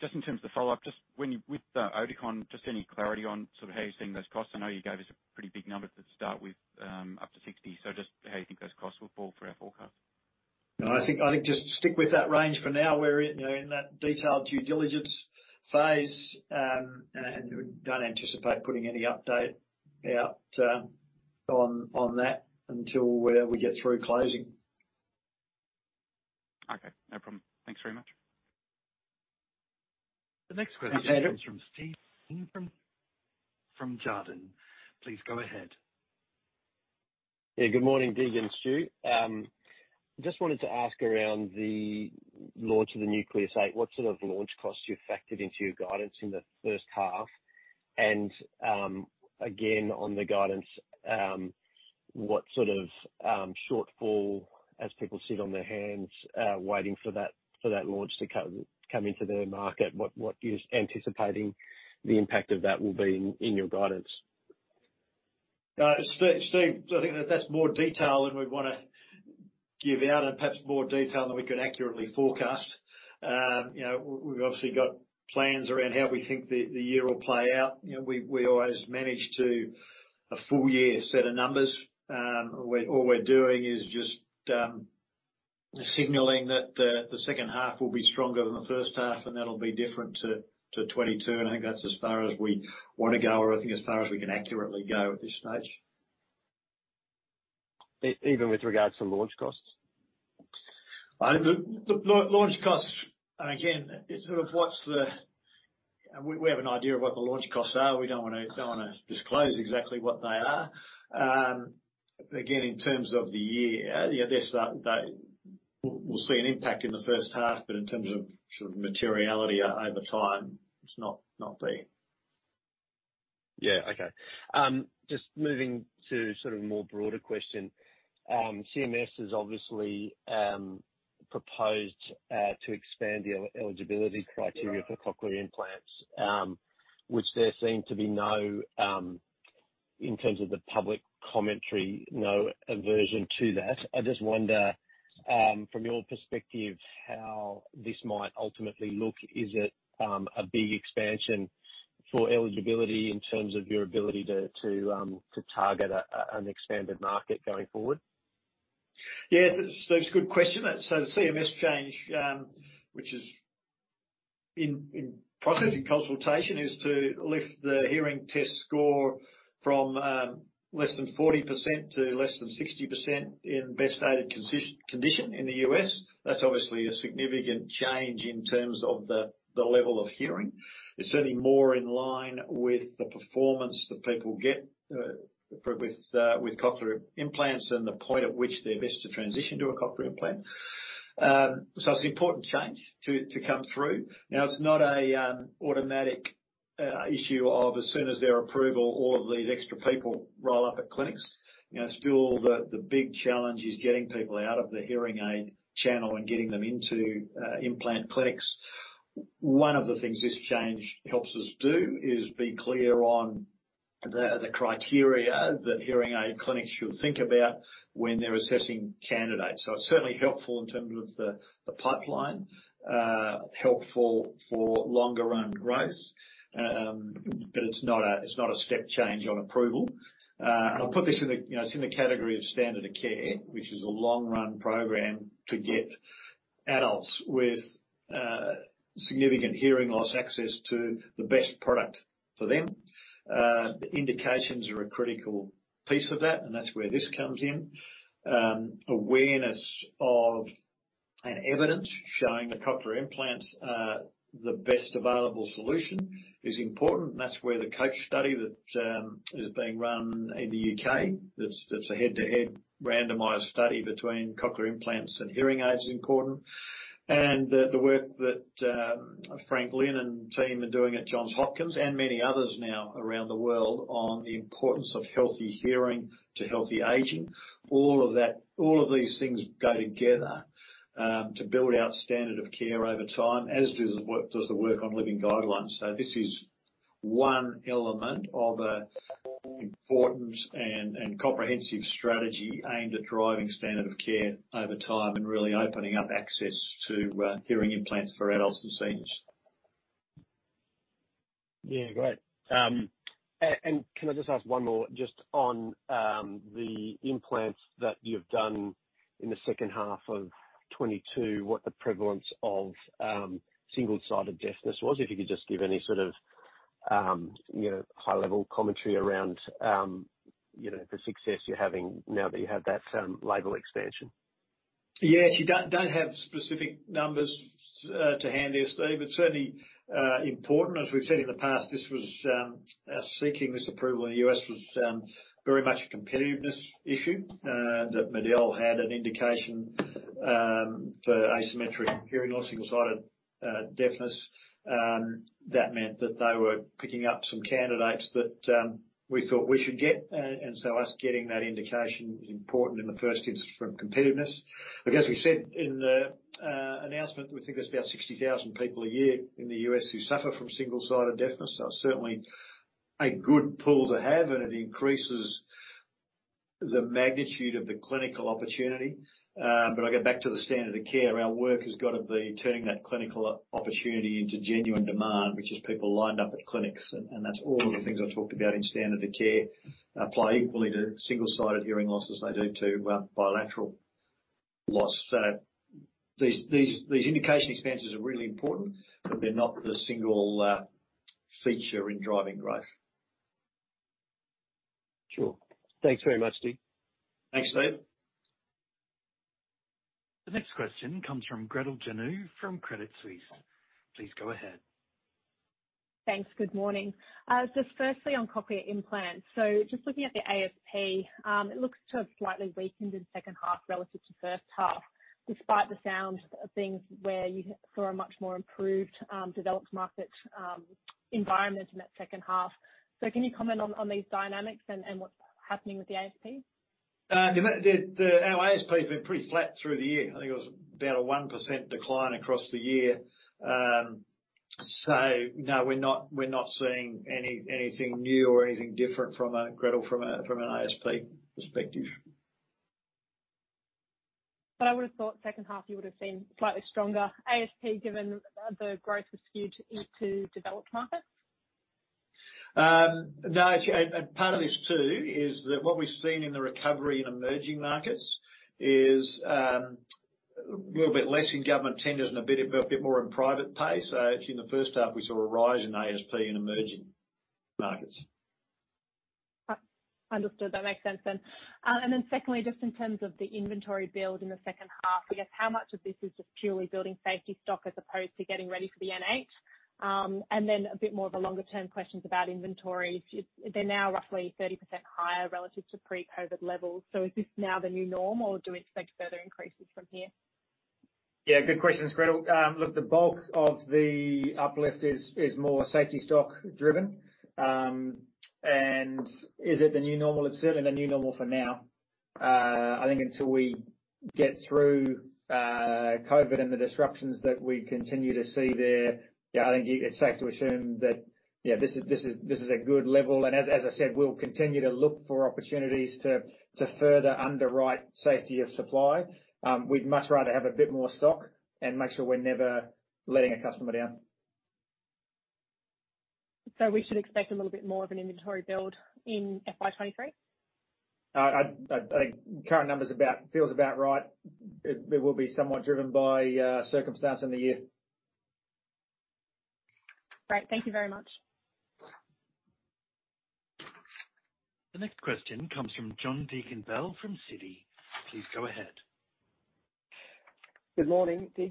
Just in terms of follow-up, just with Oticon, just any clarity on sort of how you're seeing those costs? I know you gave us a pretty big number to start with, up to 60. Just how you think those costs will fall for our forecast? No, I think just stick with that range for now. We're in, you know, in that detailed due diligence phase, and we don't anticipate putting any update out, on that until we get through closing. Okay, no problem. Thanks very much. Thanks, Andrew. The next question comes from Steve Wheen from Jarden. Please go ahead. Yeah, good morning, Dig and Stu. Just wanted to ask around the launch of the Nucleus 8, what sort of launch costs you factored into your guidance in the first half? Again, on the guidance, what sort of shortfall as people sit on their hands waiting for that launch to come into the market, what is anticipating the impact of that will be in your guidance? Steve, I think that's more detail than we'd wanna give out and perhaps more detail than we can accurately forecast. You know, we've obviously got plans around how we think the year will play out. You know, we always manage to a full year set of numbers. All we're doing is just signaling that the second half will be stronger than the first half, and that'll be different to 2022, and I think that's as far as we wanna go, or I think as far as we can accurately go at this stage. Even with regards to the launch costs? I think the launch costs. Again, we have an idea of what the launch costs are. We don't wanna disclose exactly what they are. Again, in terms of the year, you know, we'll see an impact in the first half, but in terms of sort of materiality over time, it's not there. Just moving to sort of a more broader question. CMS has obviously proposed to expand the eligibility criteria- Yeah For cochlear implants, which there seem to be no, in terms of the public commentary, no aversion to that. I just wonder, from your perspective, how this might ultimately look. Is it a big expansion for eligibility in terms of your ability to target an expanded market going forward? Yes, it's a good question. The CMS change, which is in process, in consultation, is to lift the hearing test score from less than 40% to less than 60% in best-aided condition in the U.S. That's obviously a significant change in terms of the level of hearing. It's certainly more in line with the performance that people get with cochlear implants and the point at which they're best to transition to a Cochlear implant. It's an important change to come through. Now, it's not an automatic issue of as soon as there's approval, all of these extra people roll up at clinics. You know, still the big challenge is getting people out of the hearing aid channel and getting them into implant clinics. One of the things this change helps us do is be clear on the criteria that hearing aid clinics should think about when they're assessing candidates. It's certainly helpful in terms of the pipeline, helpful for longer run growth. It's not a step change on approval. I'll put this in the, you know, it's in the category of standard of care, which is a long-run program to get adults with significant hearing loss access to the best product for them. The indications are a critical piece of that, and that's where this comes in. Awareness of an evidence showing the cochlear implants are the best available solution is important, and that's where the COACH trial that is being run in the UK, that's a head-to-head randomized study between cochlear implants and hearing aids is important. And the work that Frank Lin and team are doing at Johns Hopkins and many others now around the world on the importance of healthy hearing to healthy aging. All of that. All of these things go together to build out standard of care over time, as does the work on living guidelines. This is one element of an important and comprehensive strategy aimed at driving standard of care over time and really opening up access to hearing implants for adults and seniors. Yeah, great. Can I just ask one more just on the implants that you've done in the second half of 2022, what the prevalence of single-sided deafness was? If you could just give any sort of you know high-level commentary around you know the success you're having now that you have that label expansion. Actually, don't have specific numbers to hand here, Steve, but certainly important. As we've said in the past, this was seeking this approval in the U.S. was very much a competitiveness issue that MED-EL had an indication for asymmetric hearing loss, single-sided deafness. That meant that they were picking up some candidates that we thought we should get. Us getting that indication was important in the first instance from competitiveness. I guess we said in the announcement, we think there's about 60,000 people a year in the U.S. who suffer from single-sided deafness. So certainly a good pool to have, and it increases the magnitude of the clinical opportunity. I go back to the standard of care. Our work has gotta be turning that clinical opportunity into genuine demand, which is people lined up at clinics. That's all the things I've talked about in standard of care apply equally to single-sided hearing loss as they do to bilateral loss. These indication expenses are really important, but they're not the single feature in driving growth. Sure. Thanks very much, Steve. Thanks, Dig. The next question comes from Gretel Janu from Credit Suisse. Please go ahead. Thanks. Good morning. Just firstly on cochlear implants. Just looking at the ASP, it looks to have slightly weakened in the second half relative to first half, despite the sound of things where you saw a much more improved developed market environment in that second half. Can you comment on these dynamics and what's happening with the ASP? Our ASP's been pretty flat through the year. I think it was about a 1% decline across the year. No, we're not seeing anything new or anything different from a, Gretel, from an ASP perspective. I would have thought second half you would've seen slightly stronger ASP given the growth was skewed to developed markets. No, actually, part of this too is that what we've seen in the recovery in emerging markets is a little bit less in government tenders and a bit more in private pay. Actually in the first half, we saw a rise in ASP in emerging markets. Understood. That makes sense then. Secondly, just in terms of the inventory build in the second half, I guess how much of this is just purely building safety stock as opposed to getting ready for the N8? A bit more of a longer-term question about inventory. They're now roughly 30% higher relative to pre-COVID levels. Is this now the new norm, or do we expect further increases from here? Yeah, good questions, Gretel. Look, the bulk of the uplift is more safety stock driven. Is it the new normal? It's certainly the new normal for now. I think until we get through COVID and the disruptions that we continue to see there, yeah, I think it's safe to assume that, yeah, this is a good level. As I said, we'll continue to look for opportunities to further underwrite safety of supply. We'd much rather have a bit more stock and make sure we're never letting a customer down. We should expect a little bit more of an inventory build in FY23? Current number's about right. It feels about right. It will be somewhat driven by circumstance in the year. Great. Thank you very much. The next question comes from John Deakin-Bell from Citi. Please go ahead. Good morning. Stu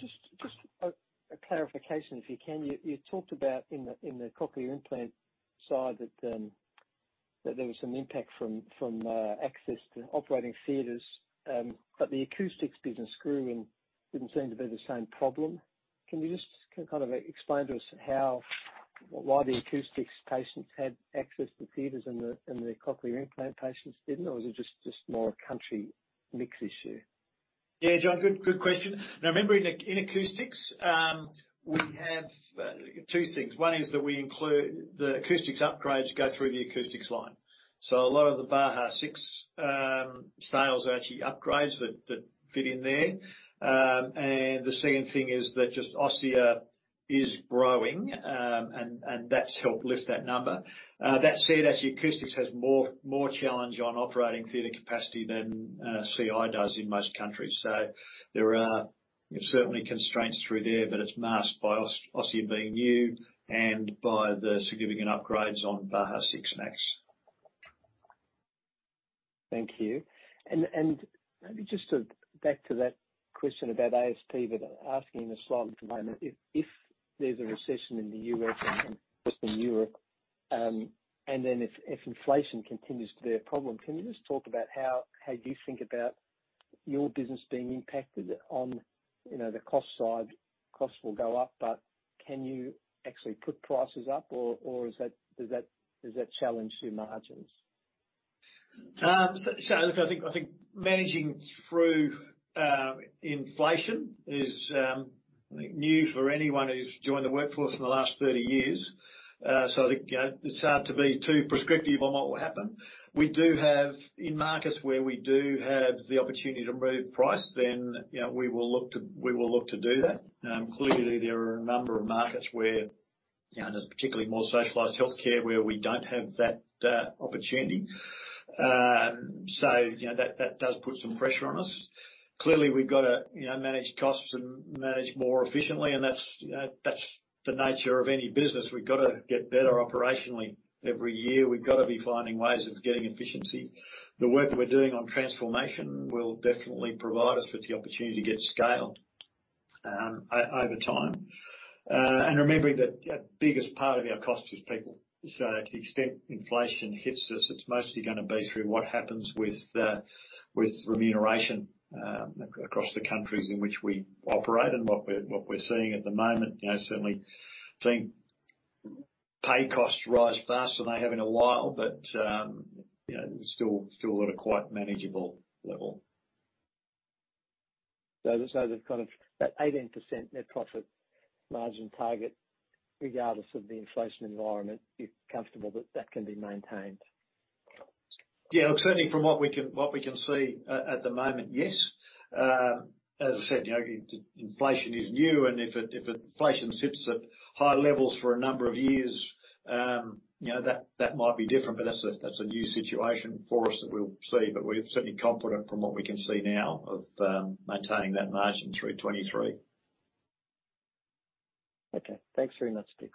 just a clarification, if you can. You talked about in the Cochlear implant side that there was some impact from access to operating theaters, but the acoustic business grew and didn't seem to be the same problem. Can you just kind of explain to us how or why the acoustic patients had access to theaters and the cochlear implant patients didn't? Or was it just more a country mix issue? Yeah, John. Good question. Now remember in acoustics, we have two things. One is that we include. The acoustics upgrades go through the acoustics line. A lot of the Baha 6 sales are actually upgrades that fit in there. The second thing is that just Osia is growing, and that's helped lift that number. That said, actually acoustics has more challenge on operating theater capacity than CI does in most countries. There are certainly constraints through there, but it's masked by Osia being new and by the significant upgrades on Baha 6 Max. Thank you. Maybe just to back to that question about ASP, but asking in a slightly different way. If there's a recession in the U.S. and possibly Europe, and then if inflation continues to be a problem, can you just talk about how you think about your business being impacted on, you know, the cost side? Costs will go up, but can you actually put prices up, or does that challenge your margins? Look, I think managing through inflation is, I think, new for anyone who's joined the workforce in the last 30 years. I think, you know, it's hard to be too prescriptive on what will happen. We do have in markets where we do have the opportunity to move price then, you know, we will look to do that. Clearly there are a number of markets where, you know, there's particularly more socialized healthcare, where we don't have that opportunity. You know, that does put some pressure on us. Clearly, we've gotta, you know, manage costs and manage more efficiently, and that's the nature of any business. We've gotta get better operationally every year. We've gotta be finding ways of getting efficiency. The work that we're doing on transformation will definitely provide us with the opportunity to get scale over time. Remembering that our biggest part of our cost is people. To the extent inflation hits us, it's mostly gonna be through what happens with remuneration across the countries in which we operate and what we're seeing at the moment. You know, certainly seeing pay costs rise faster than they have in a while, but you know, still at a quite manageable level. That 18% net profit margin target, regardless of the inflation environment, you're comfortable that it can be maintained? Yeah, look, certainly from what we can see at the moment, yes. As I said, you know, inflation is new, and if inflation sits at high levels for a number of years, you know, that might be different, but that's a new situation for us that we'll see. We're certainly confident from what we can see now of maintaining that margin through 2023. Okay. Thanks very much, Dig.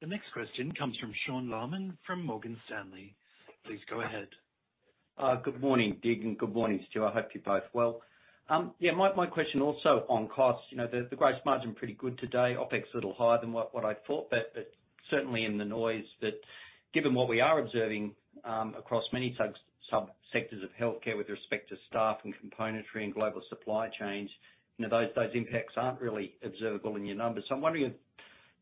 The next question comes from Sasha Krien from Morgan Stanley. Please go ahead. Good morning, Dig, and good morning, Stu. I hope you're both well. Yeah, my question also on costs. You know, the gross margin pretty good today, OpEx a little higher than what I thought, but certainly in the noise. Given what we are observing across many sub-sectors of healthcare with respect to staff and componentry and global supply chains, you know, those impacts aren't really observable in your numbers. I'm wondering if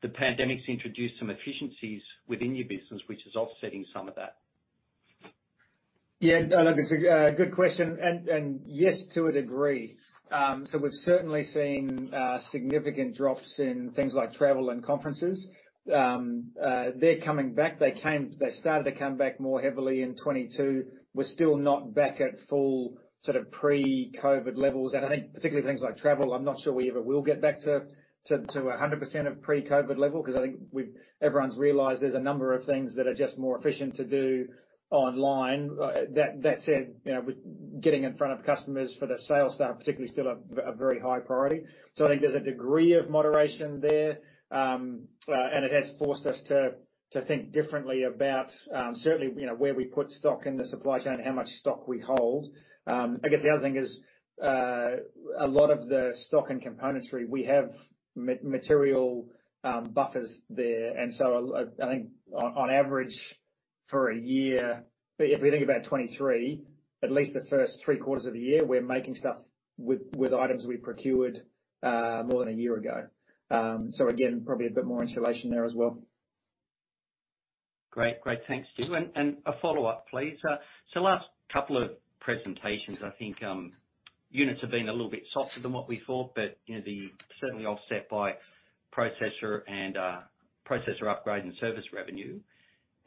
the pandemic's introduced some efficiencies within your business, which is offsetting some of that. Yeah. No, look, it's a good question, and yes, to a degree. So we've certainly seen significant drops in things like travel and conferences. They're coming back. They started to come back more heavily in 2022. We're still not back at full sort of pre-COVID levels. I think particularly things like travel, I'm not sure we ever will get back to 100% of pre-COVID level 'cause I think everyone's realized there's a number of things that are just more efficient to do online. That said, you know, with getting in front of customers for the sales staff, particularly, is still a very high priority. I think there's a degree of moderation there. It has forced us to think differently about, certainly, you know, where we put stock in the supply chain and how much stock we hold. I guess the other thing is, a lot of the stock and componentry, we have material buffers there. I think on average for a year, if we think about 2023, at least the first three quarters of the year, we're making stuff with items we procured more than a year ago. Again, probably a bit more insulation there as well. Great. Thanks, Stu. A follow-up, please. So last couple of presentations, I think, units have been a little bit softer than what we thought, but, you know, certainly offset by processor and processor upgrade and service revenue.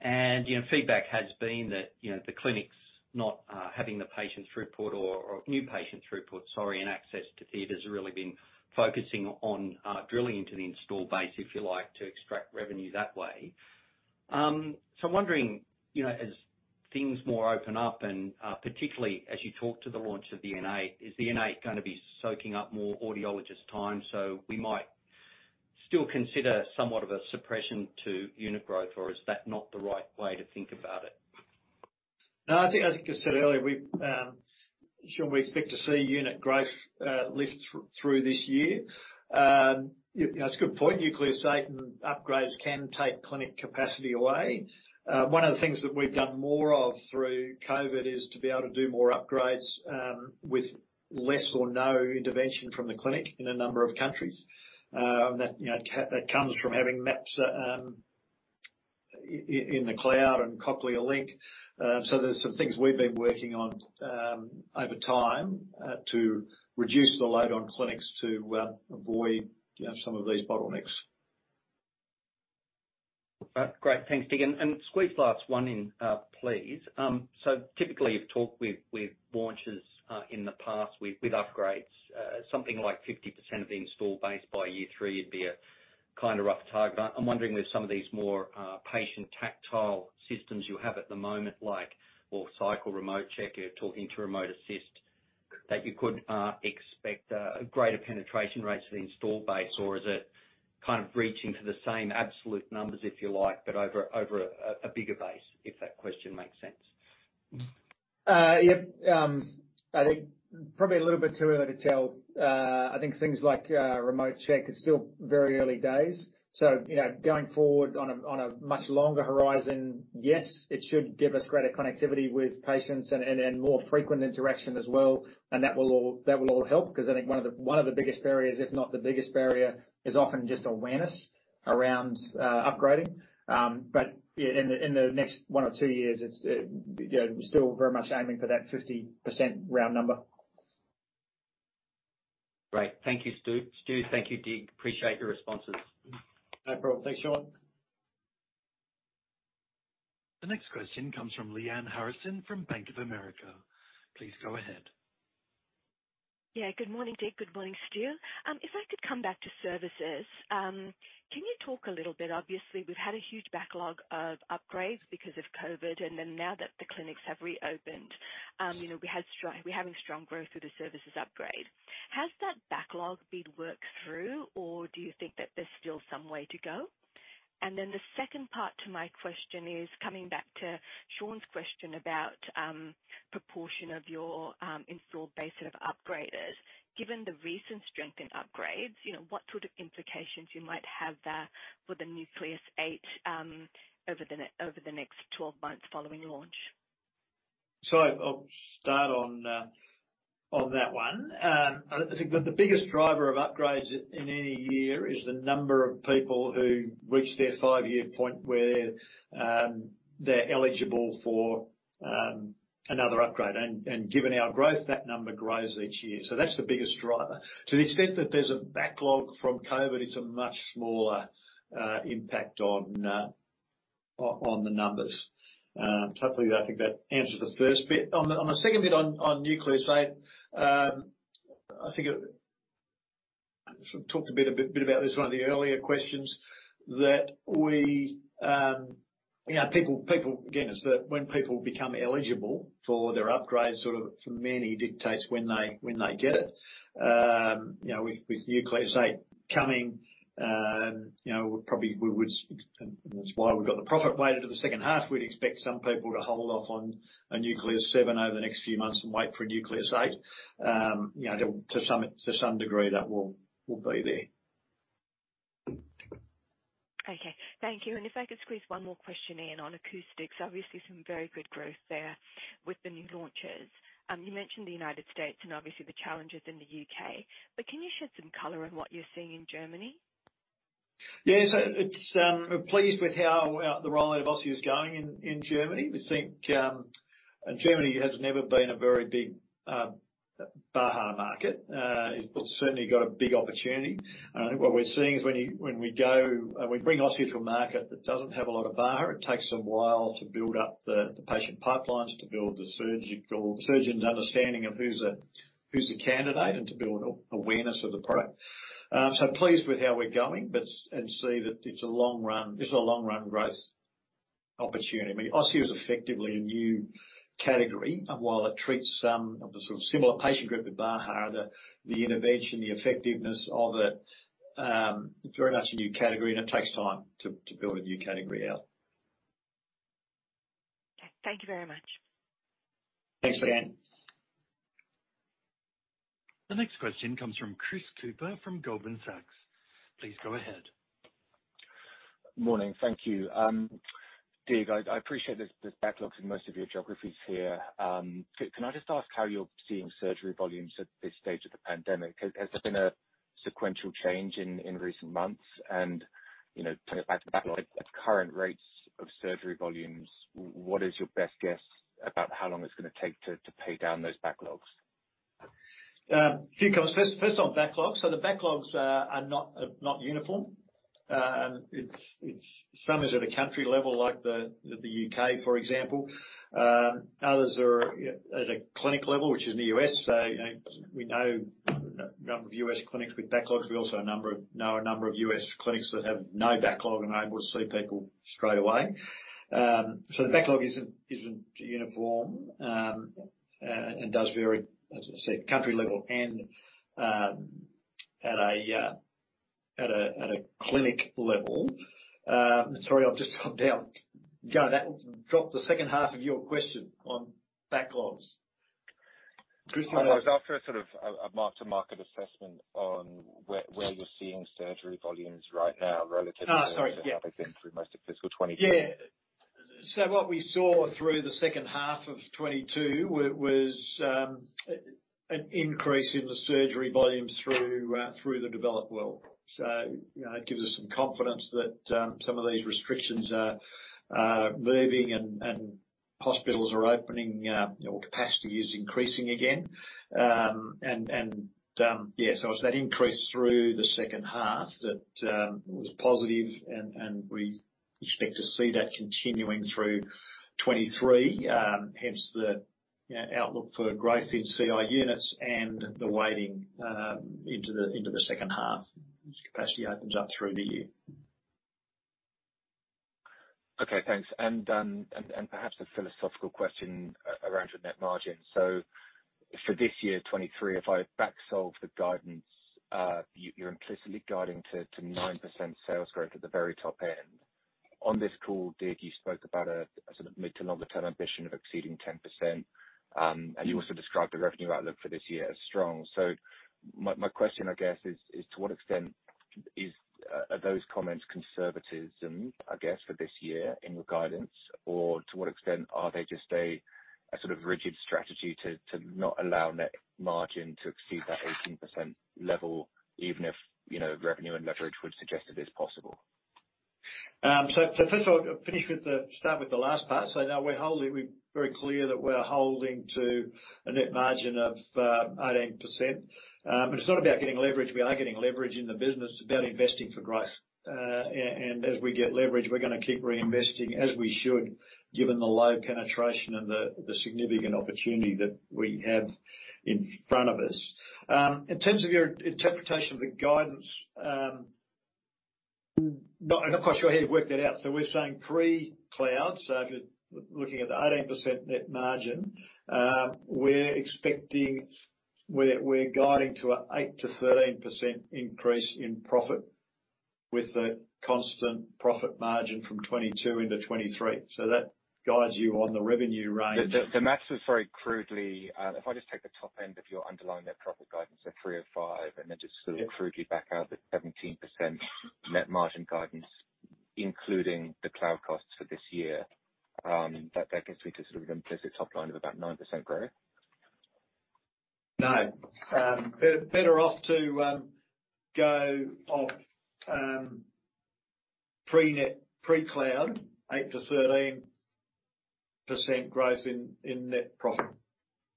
You know, feedback has been that, you know, the clinics not having the patients throughput or new patients throughput, sorry, and access to theaters are really been focusing on drilling into the install base, if you like, to extract revenue that way. So I'm wondering, you know, as things more open up and particularly as you talk to the launch of the N8, is the N8 gonna be soaking up more audiologist time, so we might still consider somewhat of a suppression to unit growth, or is that not the right way to think about it? No, I think as you said earlier, Shaun, we expect to see unit growth lifts through this year. You know, that's a good point. Nucleus 8 and upgrades can take clinic capacity away. One of the things that we've done more of through COVID is to be able to do more upgrades with less or no intervention from the clinic in a number of countries. That you know comes from having maps in the cloud and Cochlear Link. So there's some things we've been working on over time to reduce the load on clinics to avoid you know some of these bottlenecks. Great. Thanks, Dig. Squeeze last one in, please. Typically you've talked with launches in the past with upgrades. Something like 50% of the install base by year three would be a kinda rough target. I'm wondering with some of these more patient tactile systems you have at the moment, like, well, Cochlear Remote Check, you're talking to Remote Assist, that you could expect a greater penetration rates of the install base. Or is it kind of reaching for the same absolute numbers, if you like, but over a bigger base? If that question makes sense. Yeah. I think probably a little bit too early to tell. I think things like Remote Check, it's still very early days. You know, going forward on a much longer horizon, yes, it should give us greater connectivity with patients and more frequent interaction as well, and that will all help 'cause I think one of the biggest barriers, if not the biggest barrier, is often just awareness around upgrading. Yeah, in the next one or two years, it's you know we're still very much aiming for that 50% round number. Great. Thank you, Stu. Stu, thank you, Dig. Appreciate your responses. No problem. Thanks, Shaun. The next question comes from Lyanne Harrison from Bank of America. Please go ahead. Yeah. Good morning, Dig. Good morning, Stu. If I could come back to services, can you talk a little bit. Obviously, we've had a huge backlog of upgrades because of COVID, and then now that the clinics have reopened, you know, we're having strong growth through the services upgrade. Has that backlog been worked through, or do you think that there's still some way to go? The second part to my question is coming back to Sean's question about proportion of your installed base of upgraders. Given the recent strength in upgrades, you know, what sort of implications you might have there for the Nucleus 8 over the next twelve months following launch? I'll start on that one. I think that the biggest driver of upgrades in any year is the number of people who reach their five-year point where they're eligible for another upgrade. Given our growth, that number grows each year. That's the biggest driver. To the extent that there's a backlog from COVID, it's a much smaller impact on the numbers. Hopefully, I think that answers the first bit. On the second bit on Nucleus 8, I think I sort of talked a bit about this one in the earlier questions that we, you know, people. Again, it's that when people become eligible for their upgrade, sort of for many dictates when they get it. You know, with Nucleus 8 coming, you know, probably we would. That's why we've got the profits loaded to the second half. We'd expect some people to hold off on a Nucleus 7 over the next few months and wait for a Nucleus 8. You know, to some degree, that will be there. Okay. Thank you. If I could squeeze one more question in on acoustics. Obviously, some very good growth there with the new launches. You mentioned the United States and obviously the challenges in the UK. Can you shed some color on what you're seeing in Germany? Yes. We're pleased with how the role of Osia is going in Germany. We think Germany has never been a very big Baha market. It's certainly got a big opportunity. I think what we're seeing is when we go, we bring Osia to a market that doesn't have a lot of Baha, it takes some while to build up the patient pipelines, to build the surgeon's understanding of who's a candidate, and to build awareness of the product. So pleased with how we're going, but see that it's a long run. This is a long run growth opportunity. I mean, Osia is effectively a new category. While it treats some of the sort of similar patient group with Baha, the intervention, the effectiveness of it very much a new category, and it takes time to build a new category out. Okay. Thank you very much. Thanks again. The next question comes from Chris Cooper from Goldman Sachs. Please go ahead. Morning. Thank you. Dig, I appreciate there's backlogs in most of your geographies here. Can I just ask how you're seeing surgery volumes at this stage of the pandemic? Has there been a sequential change in recent months? You know, going back to backlogs, at current rates of surgery volumes, what is your best guess about how long it's gonna take to pay down those backlogs? A few comments. First on backlogs. The backlogs are not uniform. And it's some at a country level, like the UK, for example. Others are at a clinic level, which is in the U.S. You know, we know a number of U.S. clinics with backlogs. We also know a number of U.S. clinics that have no backlog and are able to see people straight away. The backlog isn't uniform and does vary, as I say, country level and at a clinic level. Sorry, I've just gone down. Chris Cooper, that dropped the second half of your question on backlogs. I was after a sort of mark-to-market assessment on where you're seeing surgery volumes right now relative to- Sorry. Yeah. how they've been through most of fiscal 2022. Yeah. What we saw through the second half of 2022 was an increase in the surgery volumes through the developed world. You know, it gives us some confidence that some of these restrictions are leaving and hospitals are opening or capacity is increasing again. Yeah, it's that increase through the second half that was positive, and we expect to see that continuing through 2023. Hence, you know, the outlook for growth in CI units and the waiting into the second half as capacity opens up through the year. Okay, thanks. Perhaps a philosophical question around your net margin. For this year, 2023, if I back solve the guidance, you're implicitly guiding to 9% sales growth at the very top end. On this call, Dig, you spoke about a sort of mid to longer term ambition of exceeding 10%, and you also described the revenue outlook for this year as strong. My question, I guess, is to what extent are those comments conservatism, I guess, for this year in your guidance? Or to what extent are they just a sort of rigid strategy to not allow net margin to exceed that 18% level, even if, you know, revenue and leverage would suggest it is possible? First, start with the last part. No, we're holding. We're very clear that we're holding to a net margin of 18%. But it's not about getting leverage. We are getting leverage in the business. It's about investing for growth. And as we get leverage, we're gonna keep reinvesting, as we should, given the low penetration and the significant opportunity that we have in front of us. In terms of your interpretation of the guidance, no, I'm not quite sure how you've worked that out. We're saying pre-cloud. If you're looking at the 18% net margin, we're expecting. We're guiding to an 8%-13% increase in profit with a constant profit margin from 2022 into 2023. That guides you on the revenue range. The math is very crudely, if I just take the top end of your underlying net profit guidance of 3 or 5, and then just sort of. Yeah Crudely back out the 17% net margin guidance, including the cloud costs for this year, that gets me to sort of an implicit top line of about 9% growth. No. Better off to go off pre-NPAT, pre-COVID, 8%-13% growth in net profit.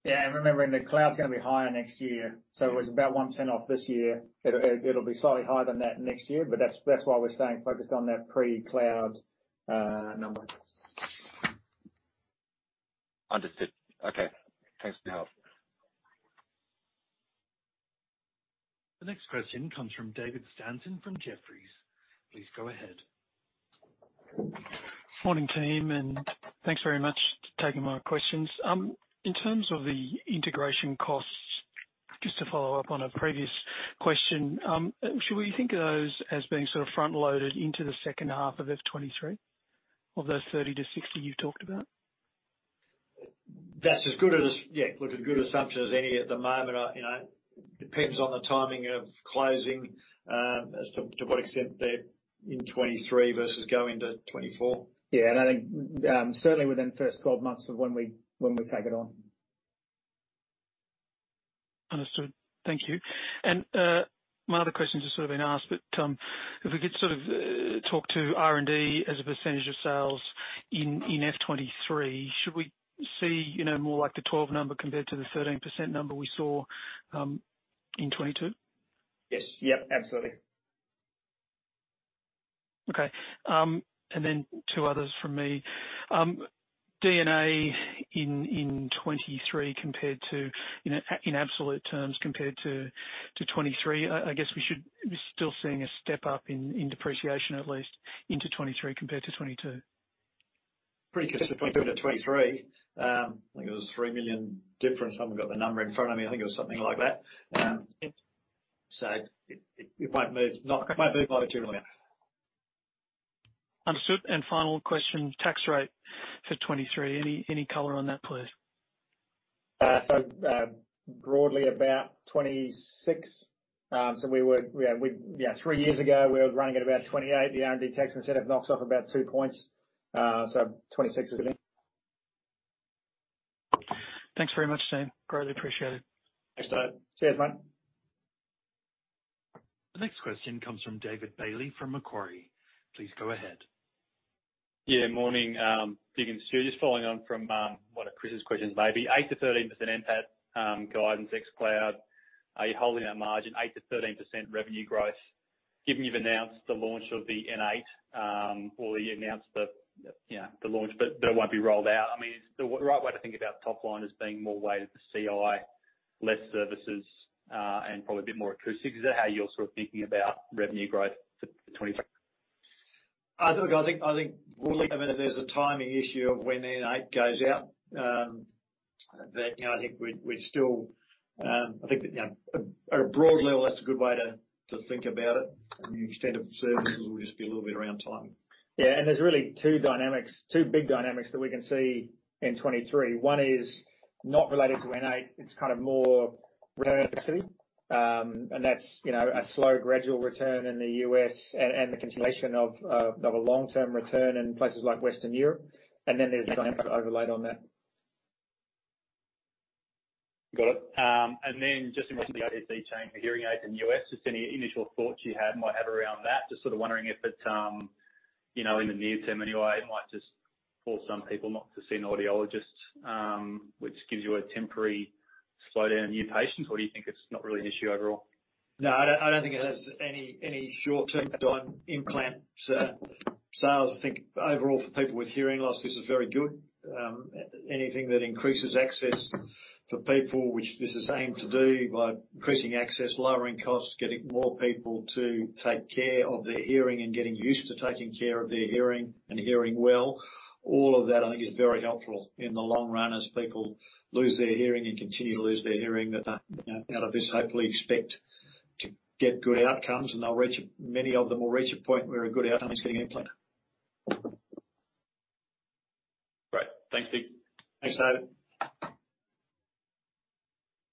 Yeah, remembering the cloud's gonna be higher next year. It was about 0.01 off this year. It'll be slightly higher than that next year, but that's why we're staying focused on that pre-cloud number. Understood. Okay. Thanks for the help. The next question comes from David Stanton from Jefferies. Please go ahead. Morning, team, and thanks very much for taking my questions. In terms of the integration costs, just to follow up on a previous question, should we think of those as being sort of front-loaded into the second half of FY 2023 of those 30-60 you talked about? That's as good as, yeah, look, as good an assumption as any at the moment. You know, it depends on the timing of closing as to what extent they're in 2023 versus go into 2024. Yeah, I think, certainly within the first 12 months of when we take it on. Understood. Thank you. One other question just sort of been asked, but if we could sort of talk to R&D as a percentage of sales in F23. Should we see more like the 12 number compared to the 13% number we saw in 2022? Yes. Yep, absolutely. Okay. Two others from me. D&A in 2023 compared to, you know, in absolute terms, compared to 2023, I guess we should be still seeing a step-up in depreciation, at least, into 2023 compared to 2022. Pretty consistent between to 2023. I think it was 3 million difference. I haven't got the number in front of me. I think it was something like that. It won't move materially. Understood. Final question, tax rate for 2023. Any color on that, please? Broadly about 26%. Three years ago, we were running at about 28%. The R&D tax incentive knocks off about 2 points. 26% is it. Thanks very much, team. Greatly appreciate it. Thanks, Dave. See you, mate. The next question comes from David Bailey from Macquarie. Please go ahead. Yeah, morning, Dig and Stu. Just following on from one of Chris's questions, maybe. 8%-13% NPAT guidance ex cloud. Are you holding that margin, 8%-13% revenue growth? Given you've announced the launch of the N8, or you announced the, you know, the launch, but that won't be rolled out. I mean, is the right way to think about the top line as being more weighted to CI, less services, and probably a bit more accretive? Is that how you're sort of thinking about revenue growth for 2023? I think broadly, David, there's a timing issue of when N8 goes out, you know, I think we'd still. I think that, you know, at a broad level, that's a good way to think about it. The extent of services will just be a little bit around timing. Yeah, there's really two big dynamics that we can see in 2023. One is not related to N8. It's kind of more return to CI. That's, you know, a slow gradual return in the US and the continuation of a long-term return in places like Western Europe. Then there's overlay on that. Got it. Just in relation to the OTC change for hearing aids in the U.S., just any initial thoughts you have, might have around that? Just sort of wondering if it's, you know, in the near term anyway, it might just cause some people not to see an audiologist, which gives you a temporary slowdown in new patients. Or do you think it's not really an issue overall? No, I don't think it has any short-term impact on implants sales. I think overall, for people with hearing loss, this is very good. Anything that increases access for people, which this is aimed to do by increasing access, lowering costs, getting more people to take care of their hearing and getting used to taking care of their hearing and hearing well, all of that I think is very helpful in the long run as people lose their hearing and continue to lose their hearing. That out of this hopefully expect to get good outcomes. Many of them will reach a point where a good outcome is getting implanted. Great. Thanks, Dig Howitt. Thanks, David.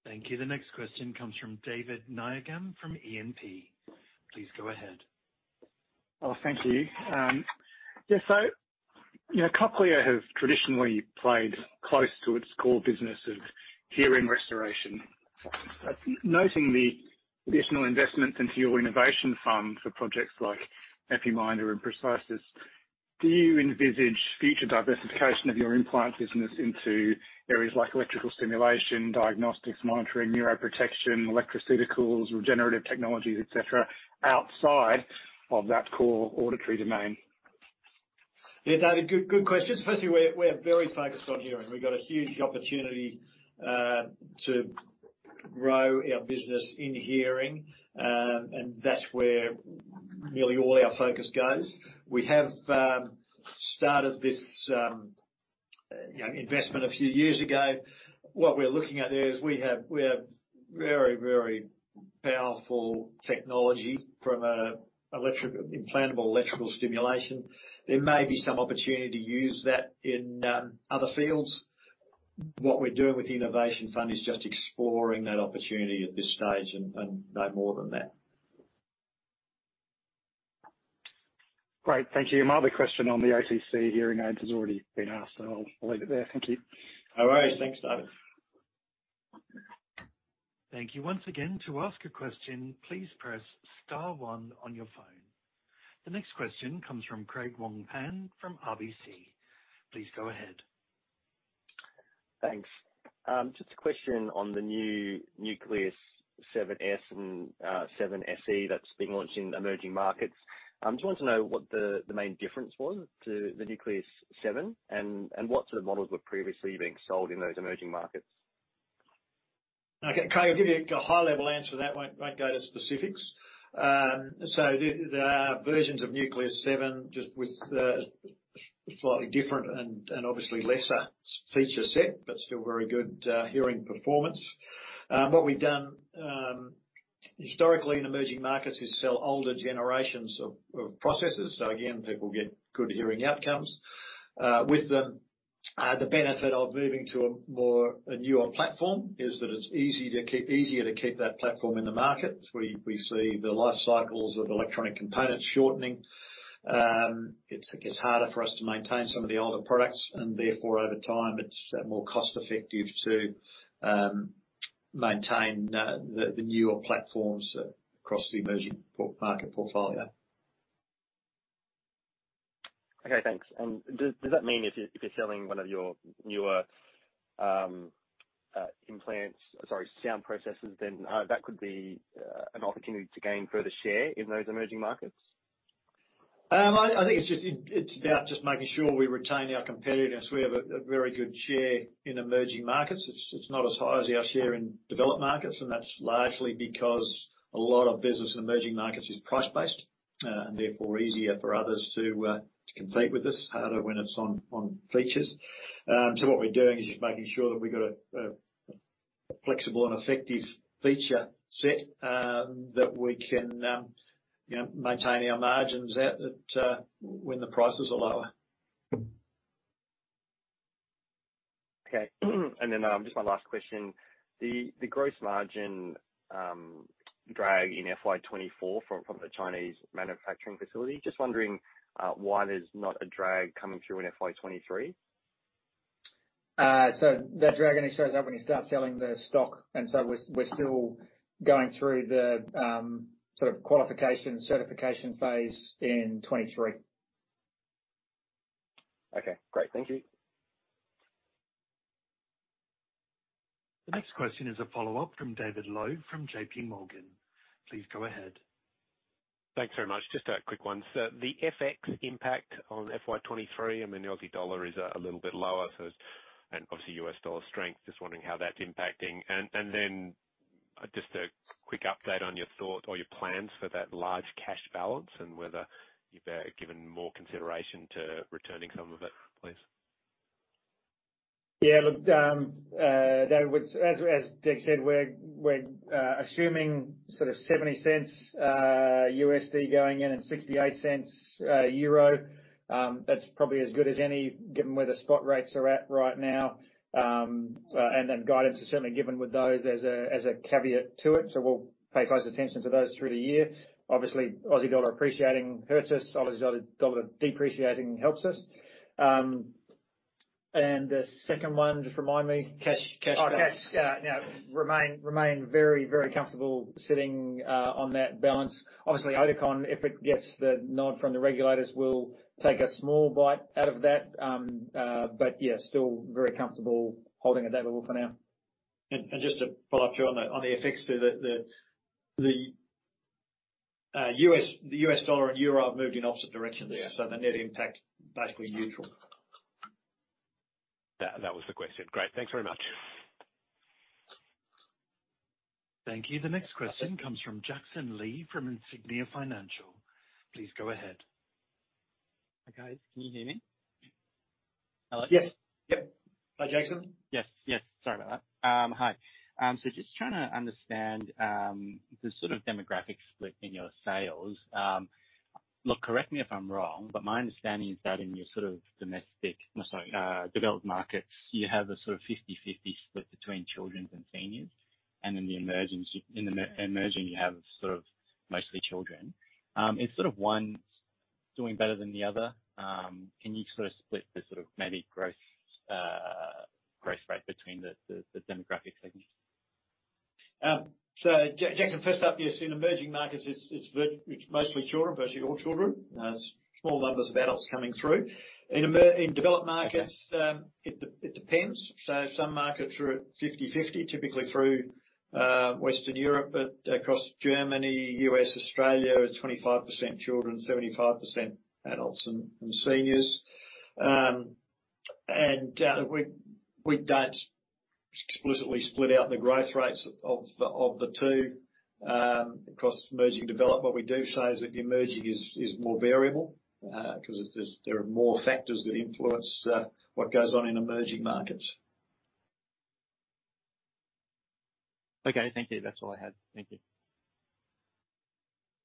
Thank you. The next question comes from David Low from EMP. Please go ahead. Oh, thank you. Cochlear has traditionally played close to its core business of hearing restoration. Noting the additional investment into your innovation fund for projects like Epiminder and Precisis, do you envisage future diversification of your implant business into areas like electrical stimulation, diagnostics, monitoring, neuroprotection, electroceuticals, regenerative technologies, et cetera, outside of that core auditory domain? Yeah, David, good question. Firstly, we're very focused on hearing. We've got a huge opportunity to grow our business in hearing, and that's where really all our focus goes. We have started this, you know, investment a few years ago. What we're looking at there is we have very powerful technology from implantable electrical stimulation. There may be some opportunity to use that in other fields. What we're doing with the innovation fund is just exploring that opportunity at this stage and no more than that. Great. Thank you. My other question on the OTC hearing aids has already been asked, so I'll leave it there. Thank you. No worries. Thanks, David. Thank you once again. To ask a question, please press star one on your phone. The next question comes from Craig Wong-Pan from RBC. Please go ahead. Thanks. Just a question on the new Nucleus 7-S and 7-SE that's been launched in emerging markets. Just want to know what the main difference was to the Nucleus 7 and what sort of models were previously being sold in those emerging markets. Okay, Craig, I'll give you a high level answer to that, won't go to specifics. So the versions of Nucleus 7, just with the slightly different and obviously lesser S-feature set, but still very good hearing performance. What we've done historically in emerging markets is sell older generations of processors. So again, people get good hearing outcomes with them. The benefit of moving to a newer platform is that it's easier to keep that platform in the market. We see the life cycles of electronic components shortening. It's harder for us to maintain some of the older products and therefore, over time it's more cost effective to maintain the newer platforms across the emerging market portfolio. Okay. Thanks. Does that mean if you're selling one of your newer sound processors, then that could be an opportunity to gain further share in those emerging markets? I think it's about making sure we retain our competitiveness. We have a very good share in emerging markets. It's not as high as our share in developed markets, and that's largely because a lot of business in emerging markets is price-based, and therefore easier for others to compete with us, harder when it's on features. What we're doing is just making sure that we've got a flexible and effective feature set that we can you know maintain our margins at when the prices are lower. Just my last question, the gross margin drag in FY 24 from the Chinese manufacturing facility, just wondering why there's not a drag coming through in FY 23. That drag only shows up when you start selling the stock, and so we're still going through the sort of qualification, certification phase in 2023. Okay, great. Thank you. The next question is a follow-up from David Low from J.P. Morgan. Please go ahead. Thanks very much. Just a quick one. The FX impact on FY 2023, I mean, the Aussie dollar is a little bit lower, and obviously, US dollar strength. Just wondering how that's impacting. Then just a quick update on your thoughts or your plans for that large cash balance and whether you've given more consideration to returning some of it, please. Yeah. Look, David, as Dig said, we're assuming sort of 0.70 USD going in and 0.68 EUR. That's probably as good as any, given where the spot rates are at right now. Guidance is certainly given with those as a caveat to it. We'll pay close attention to those through the year. Obviously, Aussie dollar appreciating hurts us. Aussie dollar depreciating helps us. The second one, just remind me. Cash balance. Oh, cash. Yeah. Yeah. Remain very, very comfortable sitting on that balance. Obviously, Oticon, if it gets the nod from the regulators, will take a small bite out of that. Yeah, still very comfortable holding it at level for now. Just to follow up, Dig, on the FX, the U.S. dollar and euro have moved in opposite directions. Yeah. The net impact basically neutral. That was the question. Great. Thanks very much. Thank you. The next question comes from Jackson Lee from Insignia Financial. Please go ahead. Hi, guys. Can you hear me? Hello? Yes. Yep. Hi, Jackson. Yes, yes. Sorry about that. Hi. So just trying to understand the sort of demographic split in your sales. Look, correct me if I'm wrong, but my understanding is that in your sort of developed markets, you have a sort of 50-50 split between children and seniors, and then in the emerging you have sort of mostly children. Is sort of one doing better than the other? Can you sort of split the sort of maybe growth rate between the demographic segments? Jackson, first up, yes, in emerging markets it's mostly children, virtually all children. Small numbers of adults coming through. In developed markets, it depends. Some markets are at 50-50, typically through Western Europe, but across Germany, U.S., Australia, it's 25% children, 75% adults and seniors. We don't explicitly split out the growth rates of the two across emerging and developed. What we do say is that emerging is more variable, 'cause there are more factors that influence what goes on in emerging markets. Okay. Thank you. That's all I had. Thank you.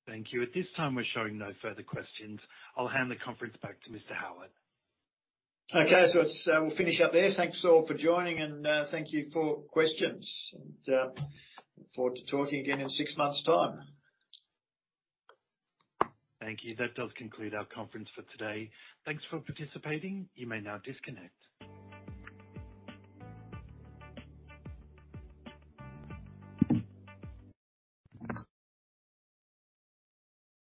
Thank you. At this time, we're showing no further questions. I'll hand the conference back to Mr. Howitt. Okay. Let's we'll finish up there. Thanks all for joining and thank you for questions. Look forward to talking again in six months' time. Thank you. That does conclude our conference for today. Thanks for participating. You may now disconnect.